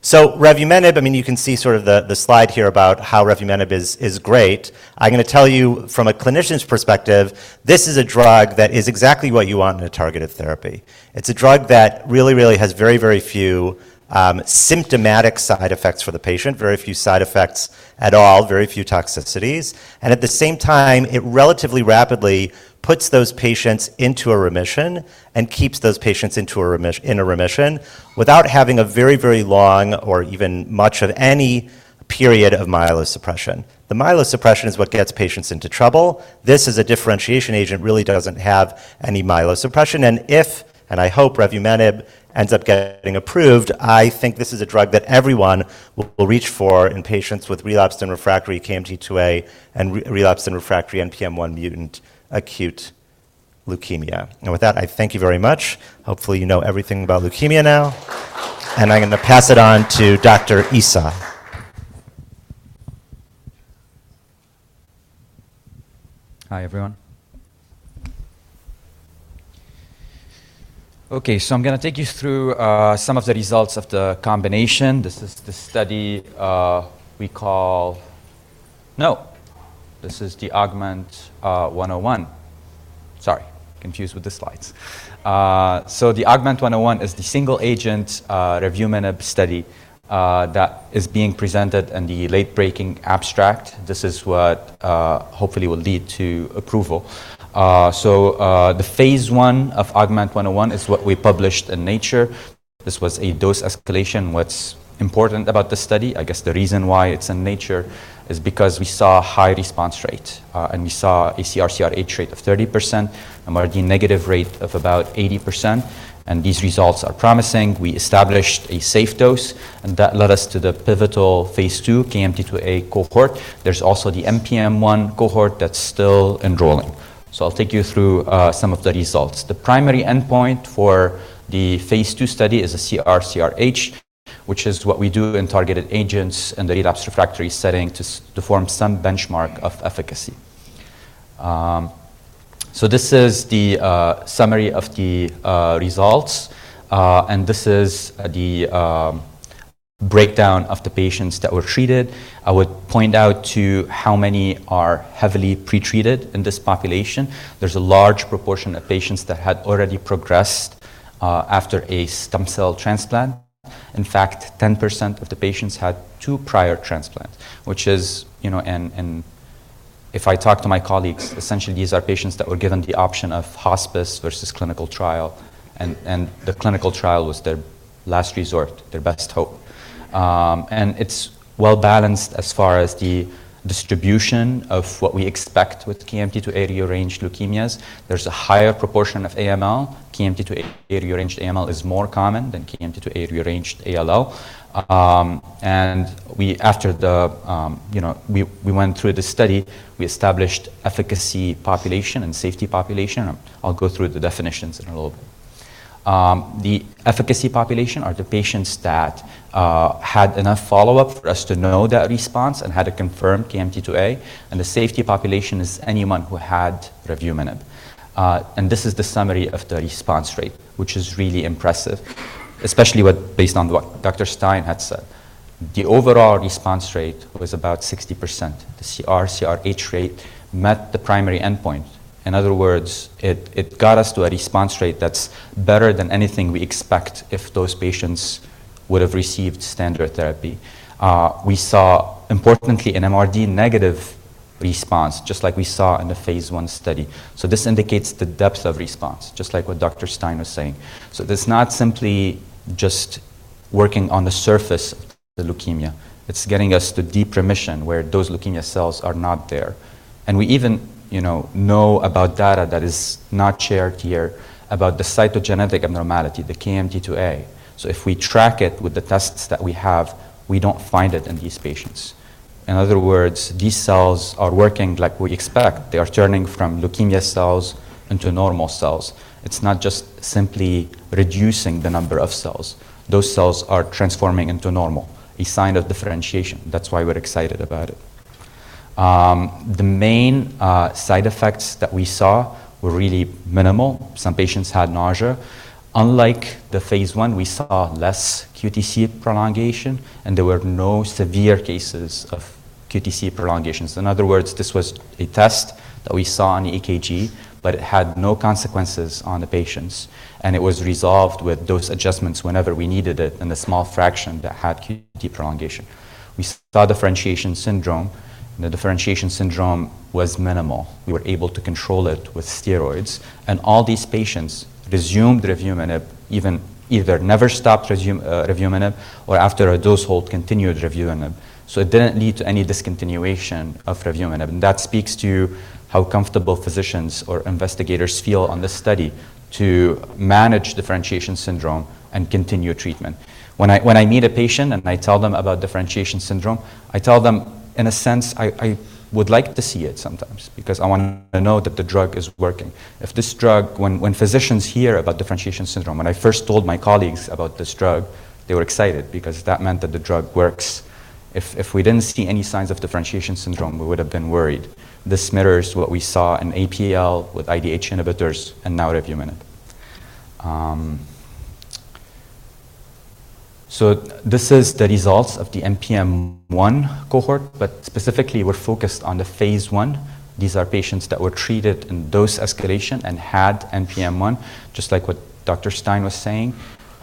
So revumenib, I mean, you can see sort of the, the slide here about how revumenib is, is great. I'm gonna tell you from a clinician's perspective, this is a drug that is exactly what you want in a targeted therapy. It's a drug that really, really has very, very few symptomatic side effects for the patient, very few side effects at all, very few toxicities. And at the same time, it relatively rapidly puts those patients into a remission and keeps those patients in a remission without having a very, very long or even much of any period of myelosuppression. The myelosuppression is what gets patients into trouble. This is a differentiation agent, really doesn't have any myelosuppression. And if, and I hope revumenib ends up getting approved, I think this is a drug that everyone will reach for in patients with relapsed and refractory KMT2A and relapsed and refractory NPM1 mutant acute leukemia. And with that, I thank you very much. Hopefully, you know everything about leukemia now. I'm gonna pass it on to Dr. Issa.
Hi, everyone. Okay, so I'm gonna take you through some of the results of the combination. This is the study. No, this is the AUGMENT-101. Sorry, confused with the slides. So the AUGMENT-101 is the single-agent revumenib study that is being presented in the late-breaking abstract. This is what hopefully will lead to approval. So the phase I of AUGMENT-101 is what we published in Nature. This was a dose escalation. What's important about this study, I guess the reason why it's in Nature, is because we saw a high response rate, and we saw a CR/CRh rate of 30%, MRD negative rate of about 80%, and these results are promising. We established a safe dose, and that led us to the pivotal phase II KMT2A cohort. There's also the NPM1 cohort that's still enrolling. So I'll take you through some of the results. The primary endpoint for the phase II study is a CR/CRh, which is what we do in targeted agents in the relapsed refractory setting to form some benchmark of efficacy. So this is the summary of the results, and this is the breakdown of the patients that were treated. I would point out to how many are heavily pretreated in this population. There's a large proportion of patients that had already progressed after a stem cell transplant. In fact, 10% of the patients had two prior transplants, which is, you know, and if I talk to my colleagues, essentially these are patients that were given the option of hospice versus clinical trial, and the clinical trial was their last resort, their best hope. And it's well balanced as far as the distribution of what we expect with KMT2A rearranged leukemias. There's a higher proportion of AML. KMT2A rearranged AML is more common than KMT2A rearranged ALL. And we, after the, you know, we went through the study, we established efficacy population and safety population, and I'll go through the definitions in a little bit. The efficacy population are the patients that had enough follow-up for us to know their response and had a confirmed KMT2A, and the safety population is anyone who had revumenib. And this is the summary of the response rate, which is really impressive, especially with based on what Dr. Stein had said. The overall response rate was about 60%. The CR/CRh rate met the primary endpoint. In other words, it, it got us to a response rate that's better than anything we expect if those patients would have received standard therapy. We saw, importantly, an MRD negative response, just like we saw in the phase I study. So this indicates the depth of response, just like what Dr. Stein was saying. So it's not simply just working on the surface of the leukemia. It's getting us to deep remission, where those leukemia cells are not there. And we even, you know, know about data that is not shared here about the cytogenetic abnormality, the KMT2A. So if we track it with the tests that we have, we don't find it in these patients. In other words, these cells are working like we expect. They are turning from leukemia cells into normal cells. It's not just simply reducing the number of cells. Those cells are transforming into normal, a sign of differentiation. That's why we're excited about it. The main side effects that we saw were really minimal. Some patients had nausea. Unlike the phase I, we saw less QTc prolongation, and there were no severe cases of QTc prolongations. In other words, this was a test that we saw on the EKG, but it had no consequences on the patients, and it was resolved with dose adjustments whenever we needed it in the small fraction that had QTc prolongation. We saw differentiation syndrome.... The differentiation syndrome was minimal. We were able to control it with steroids, and all these patients resumed revumenib, even either never stopped resume, revumenib or after a dose hold, continued revumenib. So it didn't lead to any discontinuation of revumenib, and that speaks to how comfortable physicians or investigators feel on this study to manage differentiation syndrome and continue treatment. When I, when I meet a patient and I tell them about differentiation syndrome, I tell them, in a sense, I, I would like to see it sometimes because I want to know that the drug is working. If this drug—when, when physicians hear about differentiation syndrome, when I first told my colleagues about this drug, they were excited because that meant that the drug works. If, if we didn't see any signs of differentiation syndrome, we would have been worried. This mirrors what we saw in APL with IDH inhibitors and now revumenib. So this is the results of the NPM1 cohort, but specifically, we're focused on the phase I These are patients that were treated in dose escalation and had NPM1, just like what Dr. Stein was saying.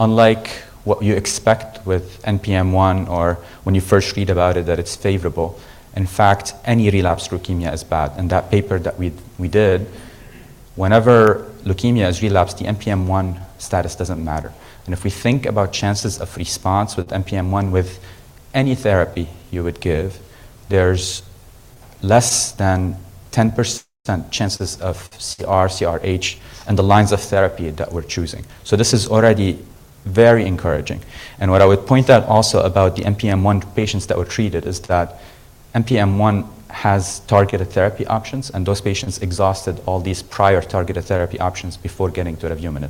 Unlike what you expect with NPM1 or when you first read about it, that it's favorable, in fact, any relapsed leukemia is bad, and that paper that we did, whenever leukemia is relapsed, the NPM1 status doesn't matter. And if we think about chances of response with NPM1, with any therapy you would give, there's less than 10% chances of CR, CRh, and the lines of therapy that we're choosing. So this is already very encouraging. What I would point out also about the NPM1 patients that were treated is that NPM1 has targeted therapy options, and those patients exhausted all these prior targeted therapy options before getting to revumenib.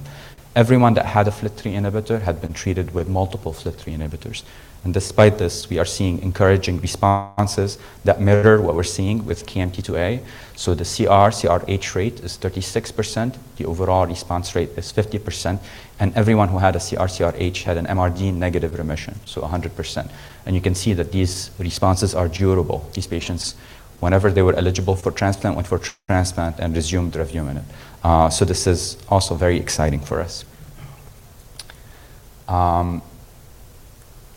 Everyone that had a FLT3 inhibitor had been treated with multiple FLT3 inhibitors, and despite this, we are seeing encouraging responses that mirror what we're seeing with KMT2A. So the CR, CRh rate is 36%, the overall response rate is 50%, and everyone who had a CR, CRh had an MRD negative remission, so 100%. And you can see that these responses are durable. These patients, whenever they were eligible for transplant, went for transplant and resumed revumenib. So this is also very exciting for us.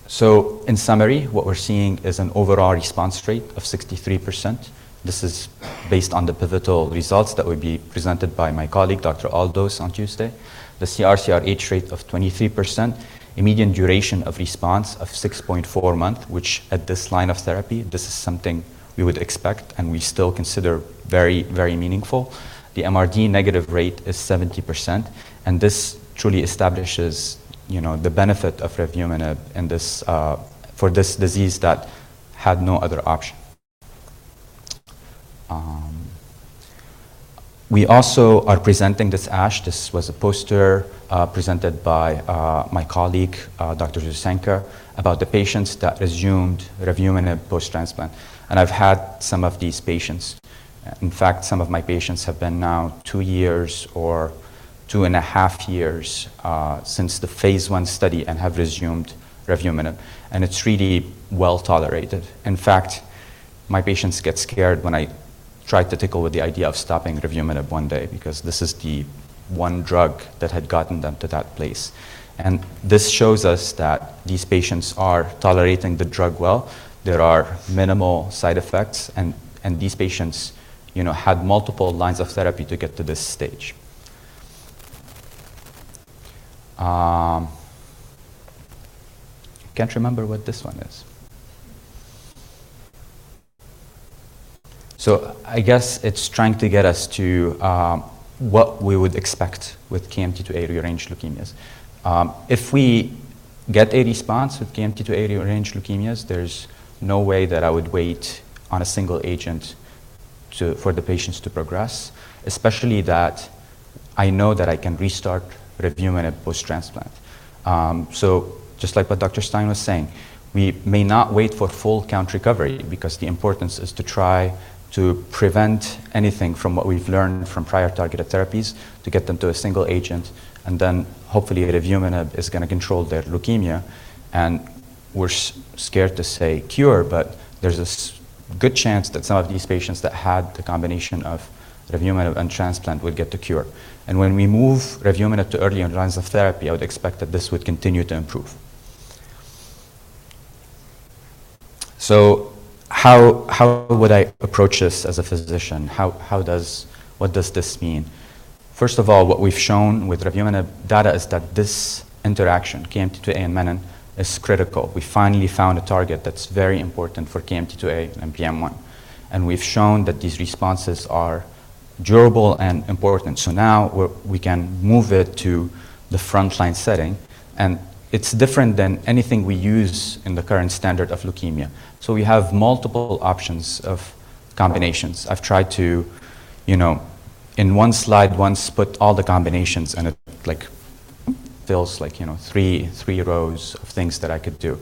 So in summary, what we're seeing is an overall response rate of 63%. This is based on the pivotal results that will be presented by my colleague, Dr. Aldoss, on Tuesday. The CR, CRh rate of 23%, a median duration of response of 6.4 months, which at this line of therapy, this is something we would expect and we still consider very, very meaningful. The MRD negative rate is 70%, and this truly establishes, you know, the benefit of revumenib in this, for this disease that had no other option. We also are presenting this ASH. This was a poster presented by my colleague, Dr. Zosenka, about the patients that resumed revumenib post-transplant. I've had some of these patients. In fact, some of my patients have been now two years or two and a half years since the phase 1 study and have resumed revumenib, and it's really well tolerated. In fact, my patients get scared when I try to tinker with the idea of stopping revumenib one day, because this is the one drug that had gotten them to that place. And this shows us that these patients are tolerating the drug well. There are minimal side effects, and these patients, you know, had multiple lines of therapy to get to this stage. I can't remember what this one is. So I guess it's trying to get us to what we would expect with KMT2A rearranged leukemias. If we get a response with KMT2A rearranged leukemias, there's no way that I would wait on a single agent to—for the patients to progress, especially that I know that I can restart revumenib post-transplant. So just like what Dr. Stein was saying, we may not wait for full count recovery because the importance is to try to prevent anything from what we've learned from prior targeted therapies to get them to a single agent, and then hopefully, revumenib is gonna control their leukemia. We're scared to say cure, but there's a good chance that some of these patients that had the combination of revumenib and transplant will get the cure. When we move revumenib to earlier lines of therapy, I would expect that this would continue to improve. So how would I approach this as a physician? What does this mean? First of all, what we've shown with revumenib data is that this interaction, KMT2A and menin, is critical. We finally found a target that's very important for KMT2A and NPM1, and we've shown that these responses are durable and important. So now we can move it to the front-line setting, and it's different than anything we use in the current standard of leukemia. So we have multiple options of combinations. I've tried to, you know, in one slide once, put all the combinations, and it, like, fills like, you know, three rows of things that I could do.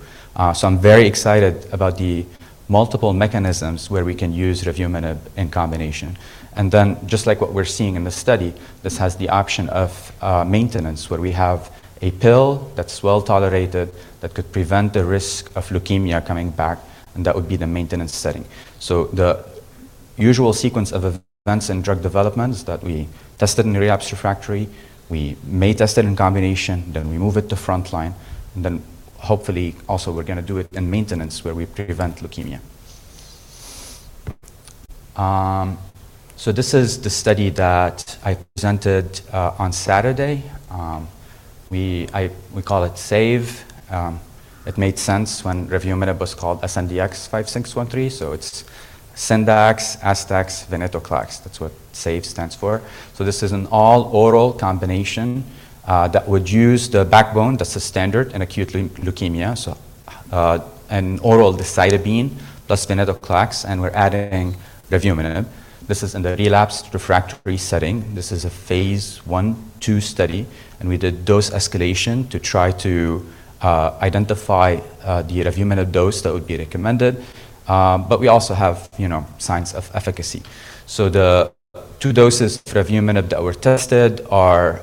So I'm very excited about the multiple mechanisms where we can use revumenib in combination. And then, just like what we're seeing in this study, this has the option of maintenance, where we have a pill that's well-tolerated, that could prevent the risk of leukemia coming back, and that would be the maintenance setting. So the. Usual sequence of events in drug development is that we test it in relapsed refractory, we may test it in combination, then we move it to frontline, and then hopefully also we're going to do it in maintenance, where we prevent leukemia. So this is the study that I presented on Saturday. We call it AGAVE. It made sense when revumenib was called SNDX-5613, so it's Syndax Azacitidine Venetoclax. That's what AGAVE stands for. So this is an all-oral combination that would use the backbone, that's the standard in acute leukemia. So, an oral decitabine plus venetoclax, and we're adding revumenib. This is in the relapsed refractory setting. This is a phase I/II study, and we did dose escalation to try to identify the revumenib dose that would be recommended, but we also have, you know, signs of efficacy. So the two doses of revumenib that were tested are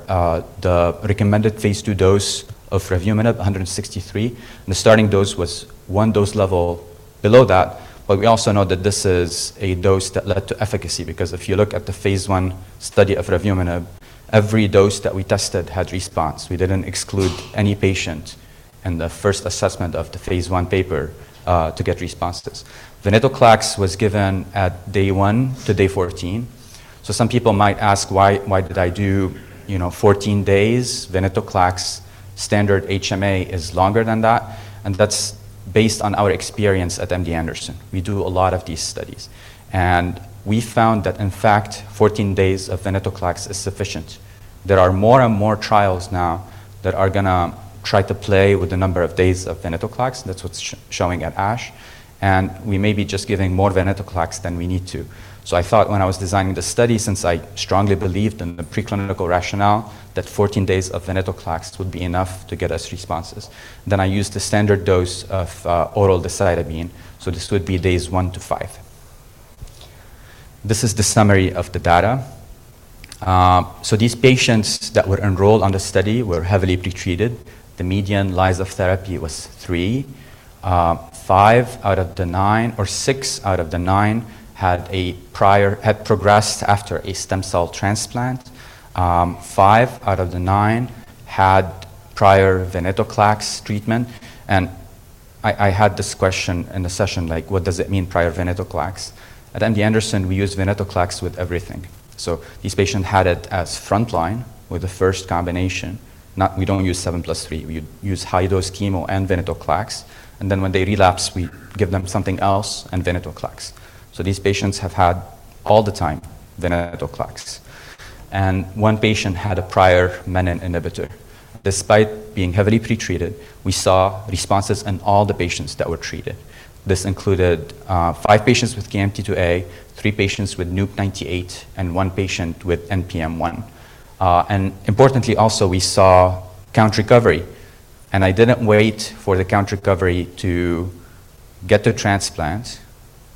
the recommended phase II dose of revumenib, 163, and the starting dose was one dose level below that. But we also know that this is a dose that led to efficacy, because if you look at the phase I study of revumenib, every dose that we tested had response. We didn't exclude any patient in the first assessment of the phase I paper to get responses. Venetoclax was given at Day 1 to Day 14. So some people might ask, why, why did I do, you know, 14 days? Venetoclax standard HMA is longer than that, and that's based on our experience at MD Anderson. We do a lot of these studies, and we found that, in fact, 14 days of venetoclax is sufficient. There are more and more trials now that are gonna try to play with the number of days of venetoclax. That's what's showing at ASH, and we may be just giving more venetoclax than we need to. So I thought when I was designing the study, since I strongly believed in the preclinical rationale, that 14 days of venetoclax would be enough to get us responses, then I used the standard dose of oral decitabine, so this would be Days one to five. This is the summary of the data. So these patients that were enrolled on the study were heavily pretreated. The median lines of therapy was three. Five out of the nine, or six out of the nine had progressed after a stem cell transplant. Five out of the nine had prior venetoclax treatment. And I had this question in the session, like, "What does it mean, prior venetoclax?" At MD Anderson, we use venetoclax with everything. So these patients had it as frontline with the first combination. We don't use seven+three. We use high-dose chemo and venetoclax, and then when they relapse, we give them something else and venetoclax. So these patients have had all the time venetoclax, and one patient had a prior menin inhibitor. Despite being heavily pretreated, we saw responses in all the patients that were treated. This included five patients with KMT2A, three patients with NUP98, and one patient with NPM1. And importantly, also, we saw count recovery, and I didn't wait for the count recovery to get the transplant.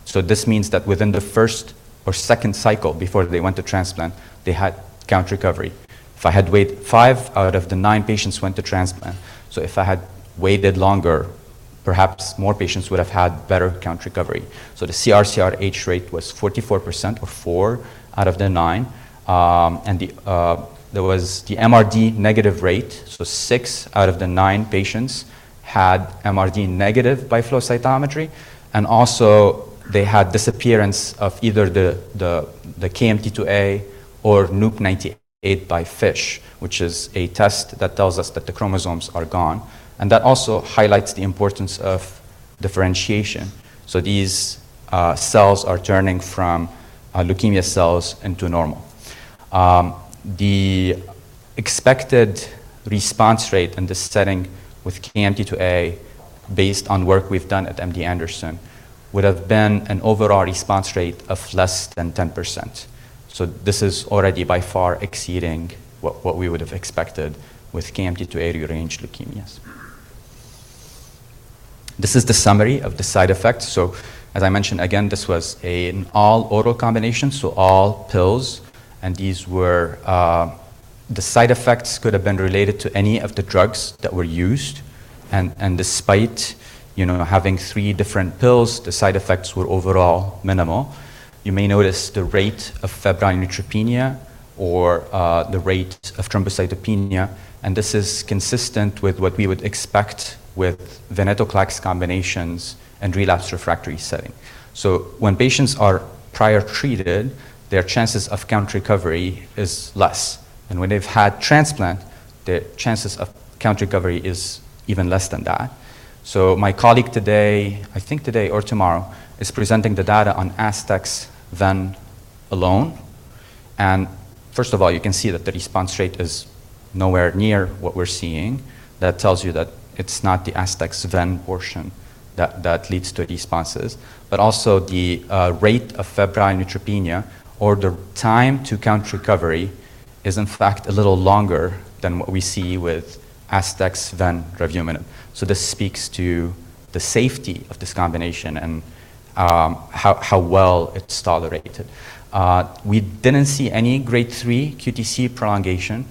So this means that within the first or second cycle before they went to transplant, they had count recovery. If I had waited, five out of the nine patients went to transplant. So if I had waited longer, perhaps more patients would have had better count recovery. So the CR/CRh rate was 44%, or four out of the nine. And there was the MRD negative rate, so six out of the nine patients had MRD negative by flow cytometry. And also, they had disappearance of either the KMT2A or NUP98 by FISH, which is a test that tells us that the chromosomes are gone. And that also highlights the importance of differentiation. So these cells are turning from leukemia cells into normal. The expected response rate in this setting with KMT2A, based on work we've done at MD Anderson, would have been an overall response rate of less than 10%. So this is already by far exceeding what we would have expected with KMT2A-rearranged leukemias. This is the summary of the side effects. So as I mentioned, again, this was an all-oral combination, so all pills, and these were. The side effects could have been related to any of the drugs that were used. And despite, you know, having three different pills, the side effects were overall minimal. You may notice the rate of febrile neutropenia or the rate of thrombocytopenia, and this is consistent with what we would expect with venetoclax combinations in relapsed refractory setting. When patients are prior treated, their chances of count recovery is less, and when they've had transplant, the chances of count recovery is even less than that. My colleague today, I think today or tomorrow, is presenting the data on Aza Ven alone. First of all, you can see that the response rate is nowhere near what we're seeing. That tells you that it's not the Aza Ven portion that leads to responses, but also the rate of febrile neutropenia or the time to count recovery is in fact a little longer than what we see with Aza Ven revumenib. So this speaks to the safety of this combination and how well it's tolerated. We didn't see any Grade 3 QTc prolongation.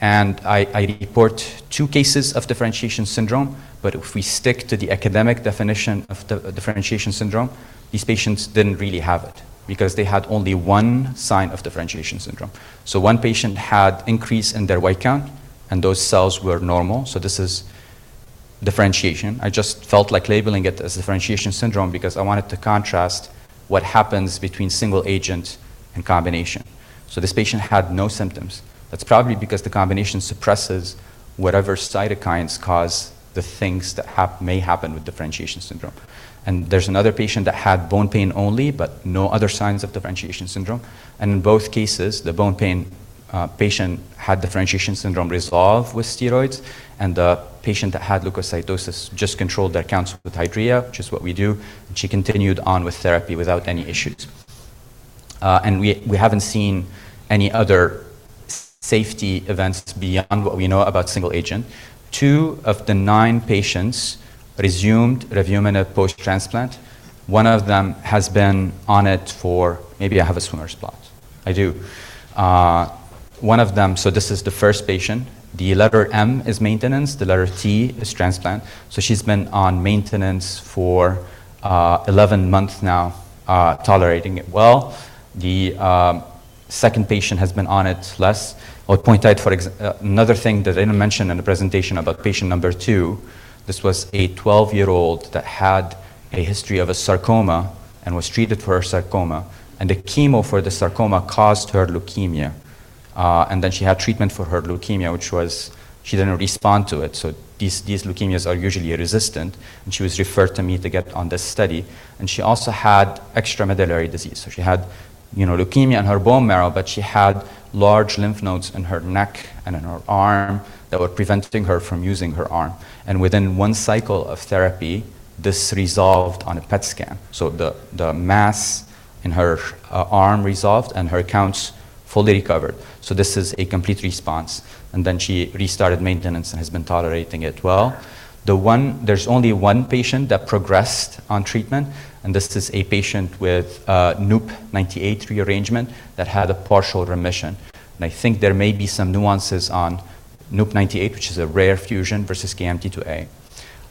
I report two cases of differentiation syndrome, but if we stick to the academic definition of differentiation syndrome, these patients didn't really have it because they had only one sign of differentiation syndrome. One patient had increase in their white count, and those cells were normal, so this is differentiation. I just felt like labeling it as differentiation syndrome because I wanted to contrast what happens between single agent and combination. This patient had no symptoms. That's probably because the combination suppresses whatever cytokines cause the things that may happen with differentiation syndrome. There's another patient that had bone pain only, but no other signs of differentiation syndrome. In both cases, the bone pain patient had differentiation syndrome resolve with steroids, and the patient that had leukocytosis just controlled their counts with Hydrea, which is what we do, and she continued on with therapy without any issues. And we haven't seen any other safety events beyond what we know about single agent. Two of the nine patients resumed revumenib post-transplant. One of them has been on it for... Maybe I have a swimmer's plot. I do. One of them, so this is the first patient. The letter M is maintenance, the letter T is transplant. So she's been on maintenance for 11 months now, tolerating it well. The second patient has been on it less. I would point out, another thing that I didn't mention in the presentation about patient number two, this was a 12-year-old that had a history of a sarcoma and was treated for a sarcoma, and the chemo for the sarcoma caused her leukemia. And then she had treatment for her leukemia, which was, she didn't respond to it, so these leukemias are usually resistant, and she was referred to me to get on this study, and she also had extramedullary disease. So she had, you know, leukemia in her bone marrow, but she had large lymph nodes in her neck and in her arm that were preventing her from using her arm. And within one cycle of therapy, this resolved on a PET scan. So the mass in her arm resolved and her counts fully recovered. So this is a complete response, and then she restarted maintenance and has been tolerating it well. There's only one patient that progressed on treatment, and this is a patient with a NUP98 rearrangement that had a partial remission. And I think there may be some nuances on NUP98, which is a rare fusion, versus KMT2A.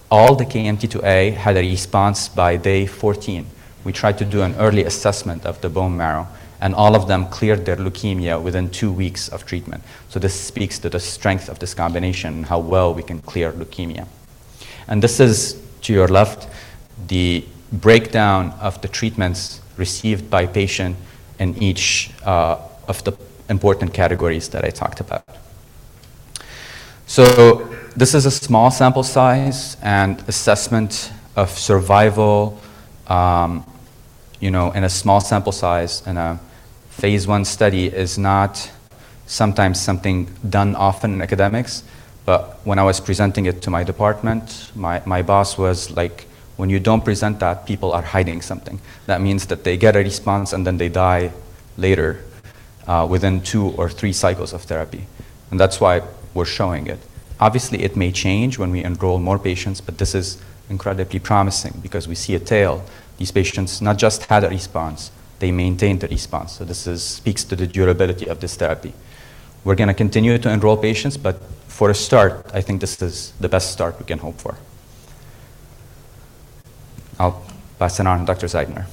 All the KMT2A had a response by day 14. We tried to do an early assessment of the bone marrow, and all of them cleared their leukemia within two weeks of treatment. So this speaks to the strength of this combination and how well we can clear leukemia. And this is, to your left, the breakdown of the treatments received by patient in each of the important categories that I talked about. So this is a small sample size, and assessment of survival, you know, in a small sample size in a phase I study is not sometimes something done often in academics. But when I was presenting it to my department, my boss was like: "When you don't present that, people are hiding something. That means that they get a response, and then they die later, within two or three cycles of therapy." And that's why we're showing it. Obviously, it may change when we enroll more patients, but this is incredibly promising because we see a tail. These patients not just had a response, they maintained a response. So this speaks to the durability of this therapy. We're gonna continue to enroll patients, but for a start, I think this is the best start we can hope for. I'll pass it on to Dr. Zeidner.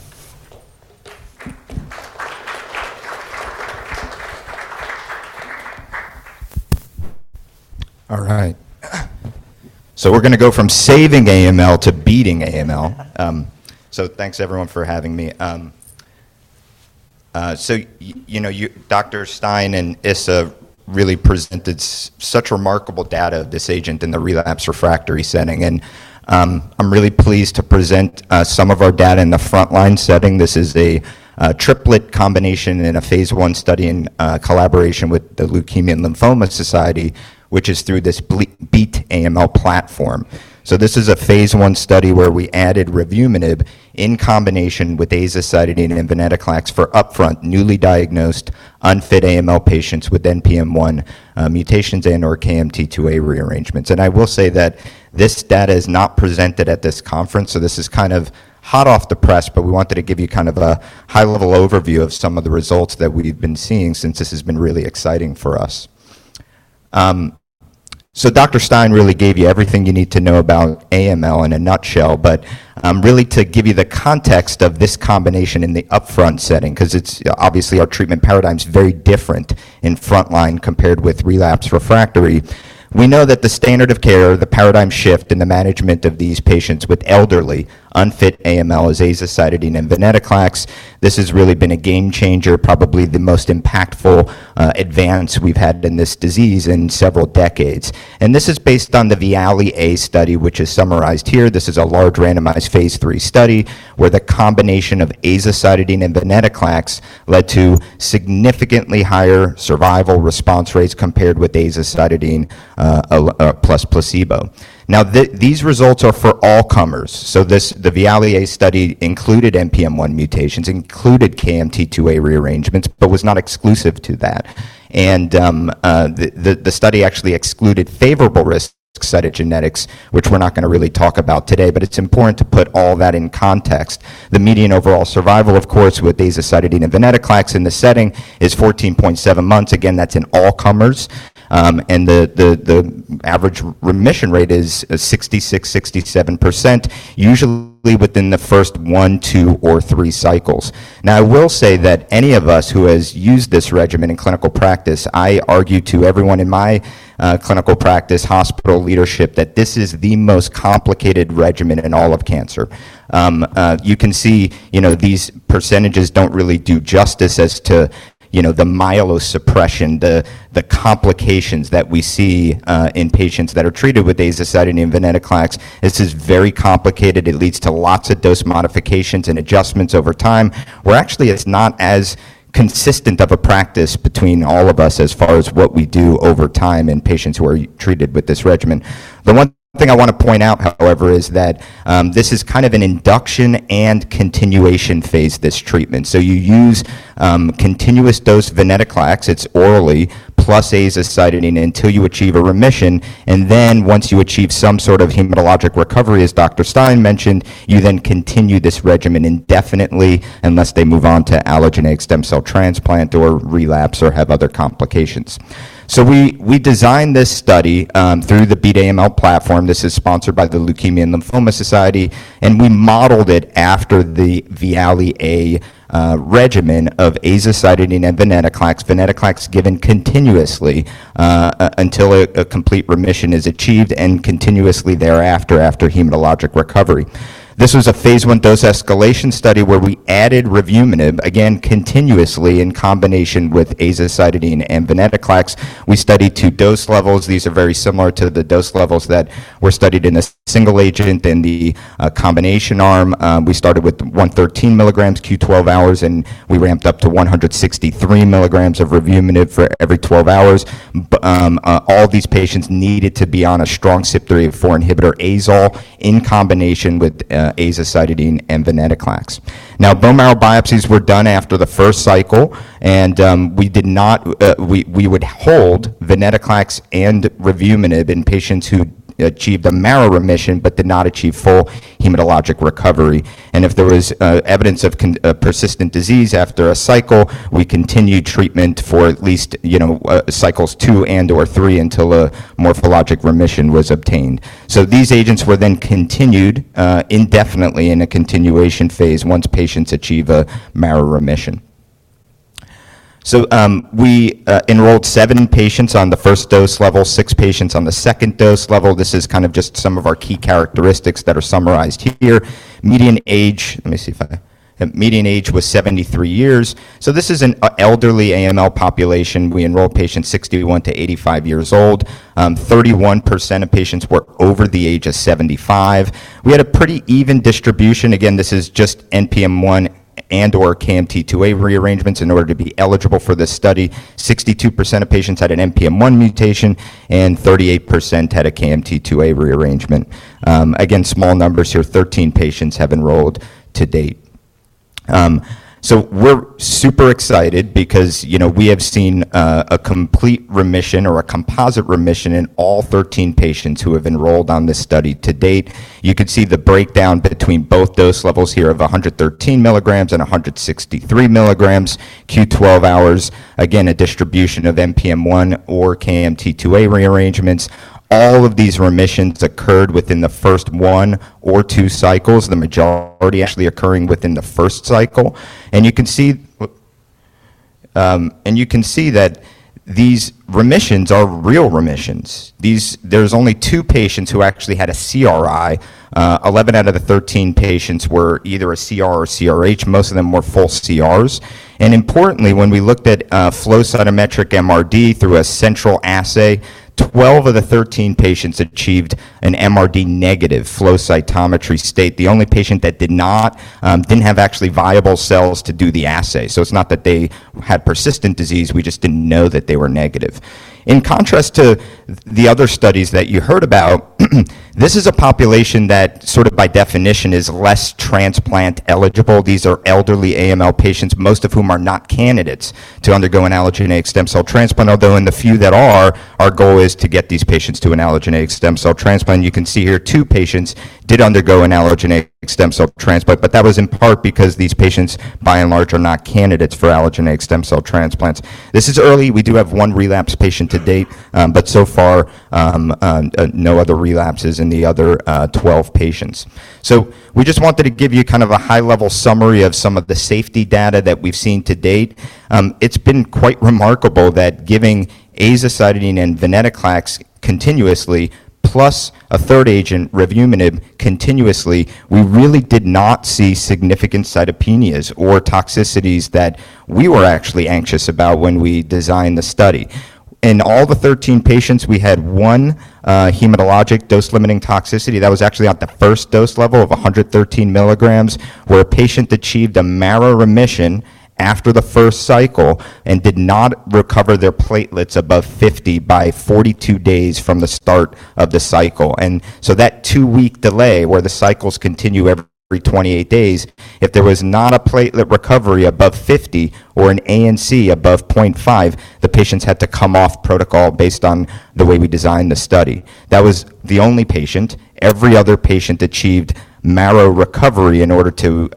All right. So we're gonna go from saving AML to beating AML. Thanks, everyone, for having me. You know, Dr. Stein and Issa really presented such remarkable data of this agent in the relapse/refractory setting, and I'm really pleased to present some of our data in the frontline setting. This is a triplet combination in a phase I study in collaboration with the Leukemia & Lymphoma Society, which is through this Beat AML platform. So this is a phase I study where we added revumenib in combination with azacitidine and venetoclax for upfront, newly diagnosed, unfit AML patients with NPM1 mutations and/or KMT2A rearrangements. I will say that this data is not presented at this conference, so this is kind of hot off the press, but we wanted to give you kind of a high-level overview of some of the results that we've been seeing since this has been really exciting for us. So Dr. Stein really gave you everything you need to know about AML in a nutshell, but really to give you the context of this combination in the upfront setting, 'cause it's, obviously our treatment paradigm is very different in frontline compared with relapse/refractory. We know that the standard of care, the paradigm shift in the management of these patients with elderly, unfit AML is azacitidine and venetoclax. This has really been a game changer, probably the most impactful, advance we've had in this disease in several decades. This is based on the VIALE A study, which is summarized here. This is a large, randomized phase III study where the combination of azacitidine and venetoclax led to significantly higher survival response rates compared with azacitidine plus placebo. Now, these results are for all comers. So this, the VIALE A study included NPM1 mutations, included KMT2A rearrangements, but was not exclusive to that. The study actually excluded favorable risk cytogenetics, which we're not going to really talk about today, but it's important to put all that in context. The median overall survival, of course, with azacitidine and venetoclax in this setting is 14.7 months. Again, that's in all comers, and the average remission rate is 66%-67%, usually within the first one, two, or three cycles. Now, I will say that any of us who has used this regimen in clinical practice, I argue to everyone in my clinical practice, hospital leadership, that this is the most complicated regimen in all of cancer. You can see, you know, these percentages don't really do justice as to, you know, the myelosuppression, the complications that we see, in patients that are treated with azacitidine and venetoclax. This is very complicated. It leads to lots of dose modifications and adjustments over time, where actually it's not as consistent of a practice between all of us as far as what we do over time in patients who are treated with this regimen. The one thing I want to point out, however, is that, this is kind of an induction and continuation phase, this treatment. So you use continuous dose venetoclax, it's orally, plus azacitidine until you achieve a remission, and then once you achieve some sort of hematologic recovery, as Dr. Stein mentioned, you then continue this regimen indefinitely unless they move on to allogeneic stem cell transplant or relapse, or have other complications. So we designed this study through the Beat AML platform. This is sponsored by the Leukemia & Lymphoma Society, and we modeled it after the VIALE-A regimen of azacitidine and venetoclax. Venetoclax is given continuously until a complete remission is achieved and continuously thereafter, after hematologic recovery. This was a phase I dose-escalation study where we added revumenib, again, continuously in combination with azacitidine and venetoclax. We studied two dose levels. These are very similar to the dose levels that were studied in a single agent in the combination arm. We started with 113 milligrams Q12 hours, and we ramped up to 163 milligrams of revumenib every 12 hours. All these patients needed to be on a strong CYP3A4 inhibitor azole in combination with azacitidine and venetoclax. Now, bone marrow biopsies were done after the first cycle, and we would hold venetoclax and revumenib in patients who achieved a marrow remission but did not achieve full hematologic recovery. If there was evidence of persistent disease after a cycle, we continued treatment for at least cycles two and/or three until a morphologic remission was obtained. So these agents were then continued indefinitely in a continuation phase I patients achieve a marrow remission. So, we enrolled seven patients on the first dose level, six patients on the second dose level. This is kind of just some of our key characteristics that are summarized here. Median age was 73 years. So this is an elderly AML population. We enrolled patients 61-85 years old. 31% of patients were over the age of 75. We had a pretty even distribution. Again, this is just NPM1 and/or KMT2A rearrangements in order to be eligible for this study. 62% of patients had an NPM1 mutation, and 38% had a KMT2A rearrangement. Again, small numbers here, 13 patients have enrolled to date. So we're super excited because, you know, we have seen a complete remission or a composite remission in all 13 patients who have enrolled on this study to date. You can see the breakdown between both dose levels here of 113 milligrams and 163 milligrams, Q12 hours. Again, a distribution of NPM1 or KMT2A rearrangements. All of these remissions occurred within the first one or two cycles, the majority actually occurring within the first cycle. And you can see that these remissions are real remissions. These. There's only two patients who actually had a CRi. Eleven out of the 13 patients were either a CR or CRh. Most of them were full CRs. Importantly, when we looked at flow cytometric MRD through a central assay, 12 of the 13 patients achieved an MRD-negative flow cytometry state. The only patient that did not didn't have actually viable cells to do the assay. So it's not that they had persistent disease, we just didn't know that they were negative. In contrast to the other studies that you heard about, this is a population that sort of by definition is less transplant eligible. These are elderly AML patients, most of whom are not candidates to undergo an allogeneic stem cell transplant, although in the few that are, our goal is to get these patients to an allogeneic stem cell transplant. You can see here two patients did undergo an allogeneic stem cell transplant, but that was in part because these patients, by and large, are not candidates for allogeneic stem cell transplants. This is early. We do have one relapse patient to date, but so far, no other relapses in the other, 12 patients. So we just wanted to give you kind of a high-level summary of some of the safety data that we've seen to date. It's been quite remarkable that giving azacitidine and venetoclax continuously, plus a third agent, revumenib, continuously, we really did not see significant cytopenias or toxicities that we were actually anxious about when we designed the study. In all the 13 patients, we had one hematologic dose-limiting toxicity. That was actually at the first dose level of 113 milligrams, where a patient achieved a marrow remission after the first cycle and did not recover their platelets above 50 by 42 days from the start of the cycle. So that two-week delay, where the cycles continue every 28 days, if there was not a platelet recovery above 50 or an ANC above 0.5, the patients had to come off protocol based on the way we designed the study. That was the only patient. Every other patient achieved marrow recovery in order to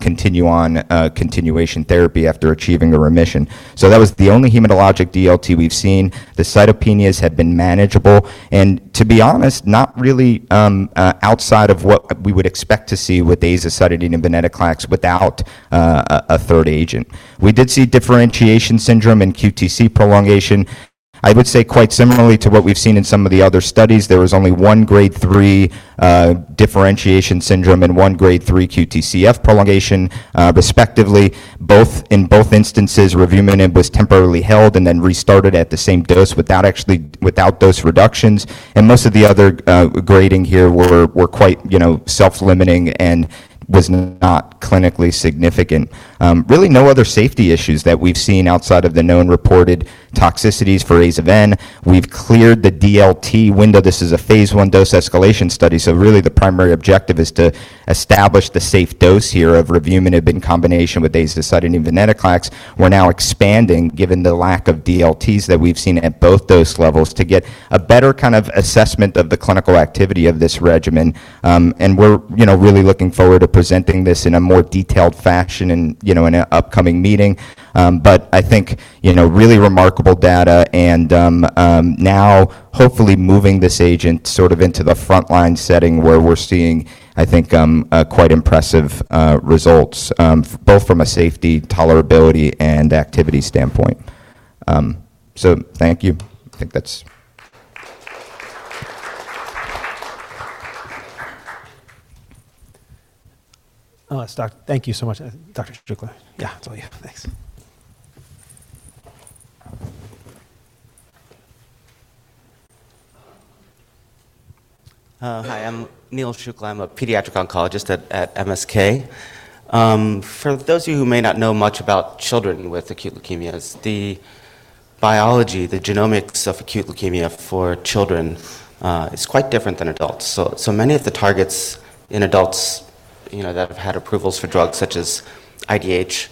continue on continuation therapy after achieving a remission. That was the only hematologic DLT we've seen. The cytopenias had been manageable, and to be honest, not really outside of what we would expect to see with azacitidine and venetoclax without a third agent. We did see differentiation syndrome and QTc prolongation. I would say quite similarly to what we've seen in some of the other studies, there was only one Grade 3 differentiation syndrome and one Grade 3 QTc prolongation, respectively. In both instances, revumenib was temporarily held and then restarted at the same dose without actually, without dose reductions. And most of the other grading here were quite, you know, self-limiting and was not clinically significant. Really, no other safety issues that we've seen outside of the known reported toxicities for AzaVen. We've cleared the DLT window. This is a phase one dose-escalation study, so really, the primary objective is to establish the safe dose here of revumenib in combination with azacitidine and venetoclax. We're now expanding, given the lack of DLTs that we've seen at both dose levels, to get a better kind of assessment of the clinical activity of this regimen. And we're, you know, really looking forward to presenting this in a more detailed fashion in, you know, in an upcoming meeting. But I think, you know, really remarkable data and, now hopefully moving this agent sort of into the frontline setting where we're seeing, I think, quite impressive results, both from a safety, tolerability, and activity standpoint. So thank you. I think that's.
So, thank you so much, Dr. Shukla. Yeah, that's all you. Thanks.
Hi, I'm Neerav Shukla. I'm a pediatric oncologist at MSK. For those of you who may not know much about children with acute leukemias, the biology, the genomics of acute leukemia for children is quite different than adults. So many of the targets in adults, you know, that have had approvals for drugs such as IDH,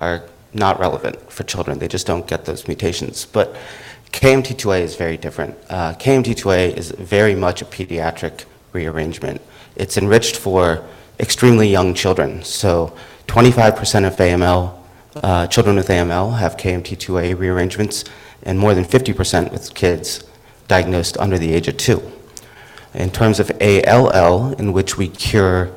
are not relevant for children. They just don't get those mutations. But KMT2A is very different. KMT2A is very much a pediatric rearrangement. It's enriched for extremely young children. So 25% of AML children with AML have KMT2A rearrangements, and more than 50% with kids diagnosed under the age of two. In terms of ALL, in which we cure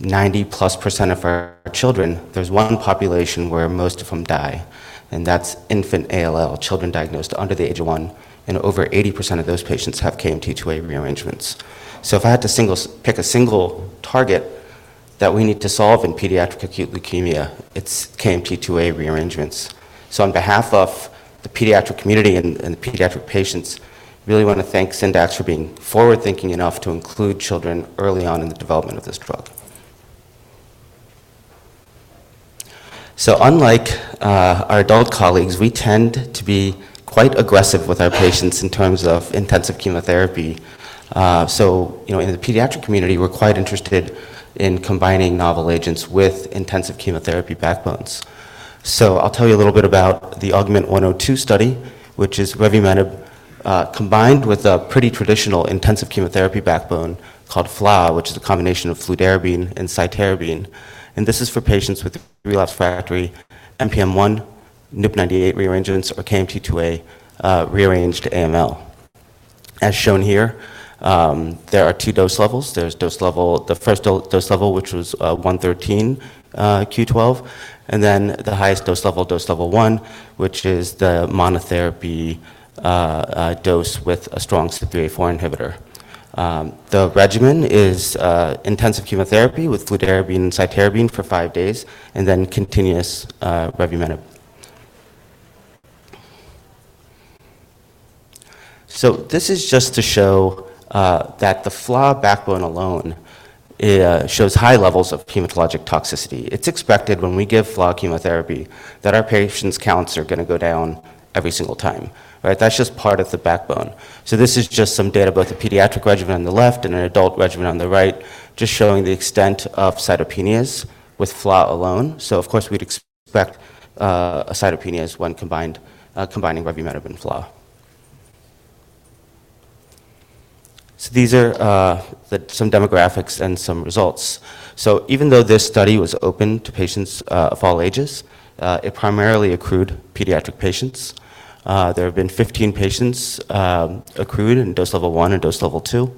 90+% of our children, there's one population where most of them die, and that's infant ALL, children diagnosed under the age of one, and over 80% of those patients have KMT2A rearrangements. So if I had to single a single target that we need to solve in pediatric acute leukemia, it's KMT2A rearrangements. So on behalf of the pediatric community and the pediatric patients, I really want to thank Syndax for being forward-thinking enough to include children early on in the development of this drug. So unlike our adult colleagues, we tend to be quite aggressive with our patients in terms of intensive chemotherapy. So, you know, in the pediatric community, we're quite interested in combining novel agents with intensive chemotherapy backbones. So I'll tell you a little bit about the AUGMENT-102 study, which is revumenib combined with a pretty traditional intensive chemotherapy backbone called FLA, which is a combination of fludarabine and cytarabine, and this is for patients with relapsed/refractory NPM1, NUP98 rearrangements, or KMT2A rearranged AML. As shown here, there are two dose levels. There's dose level - the first dose level, which was 113 Q12, and then the highest dose level, dose level one, which is the monotherapy dose with a strong CD38 inhibitor. The regimen is intensive chemotherapy with fludarabine and cytarabine for five days, and then continuous revumenib. So this is just to show that the FLA backbone alone shows high levels of hematologic toxicity. It's expected when we give FLA chemotherapy, that our patients' counts are gonna go down every single time, right? That's just part of the backbone. So this is just some data, both a pediatric regimen on the left and an adult regimen on the right, just showing the extent of cytopenias with FLA alone. So of course, we'd expect cytopenias when combining revumenib and FLA So these are some demographics and some results. So even though this study was open to patients of all ages, it primarily accrued pediatric patients. There have been 15 patients accrued in dose level one and dose level two.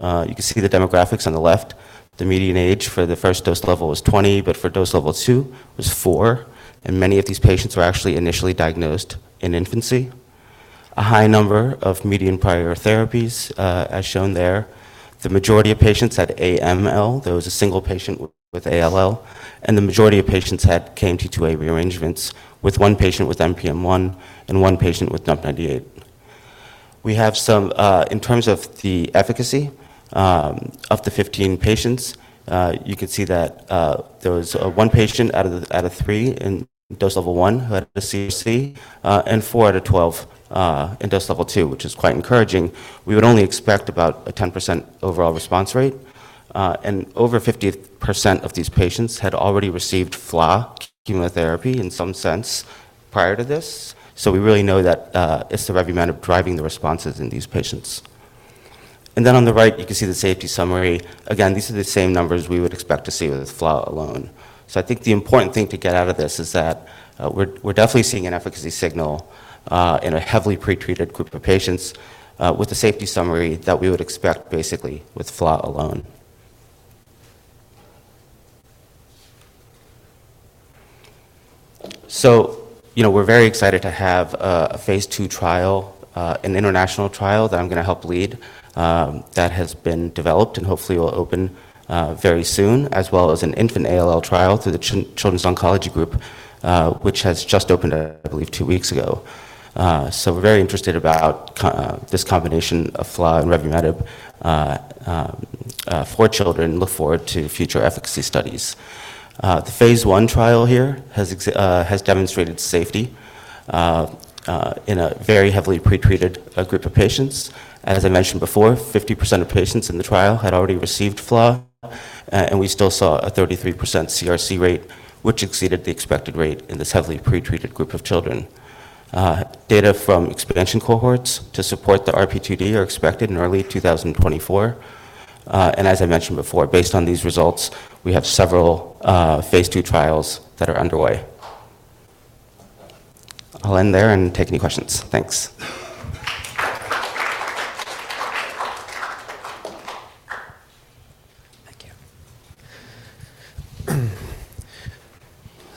You can see the demographics on the left. The median age for the first dose level was 20, but for dose level two, it was four, and many of these patients were actually initially diagnosed in infancy. A high number of median prior therapies, as shown there. The majority of patients had AML. There was a single patient with ALL, and the majority of patients had KMT2A rearrangements, with one patient with NPM1 and one patient with NUP98. We have some, in terms of the efficacy, of the 15 patients, you can see that, there was, one patient out of three in dose level one who had a CRc, and four out of 12, in dose level two, which is quite encouraging. We would only expect about a 10% overall response rate, and over 50% of these patients had already received FLA chemotherapy in some sense prior to this. So we really know that it's the revumenib driving the responses in these patients. And then on the right, you can see the safety summary. Again, these are the same numbers we would expect to see with FLA alone. So I think the important thing to get out of this is that we're definitely seeing an efficacy signal in a heavily pretreated group of patients with a safety summary that we would expect basically with FLA alone. So, you know, we're very excited to have a phase I trial, an international trial that I'm gonna help lead, that has been developed and hopefully will open very soon, as well as an infant ALL trial through the Children's Oncology Group, which has just opened, I believe, two weeks ago. So we're very interested about this combination of FLA and revumenib for children. Look forward to future efficacy studies. The phase I trial here has demonstrated safety in a very heavily pretreated group of patients. As I mentioned before, 50% of patients in the trial had already received FLA, and we still saw a 33% CRc rate, which exceeded the expected rate in this heavily pretreated group of children. Data from expansion cohorts to support the RP2D are expected in early 2024. As I mentioned before, based on these results, we have several phase II trials that are underway. I'll end there and take any questions. Thanks.
Thank you.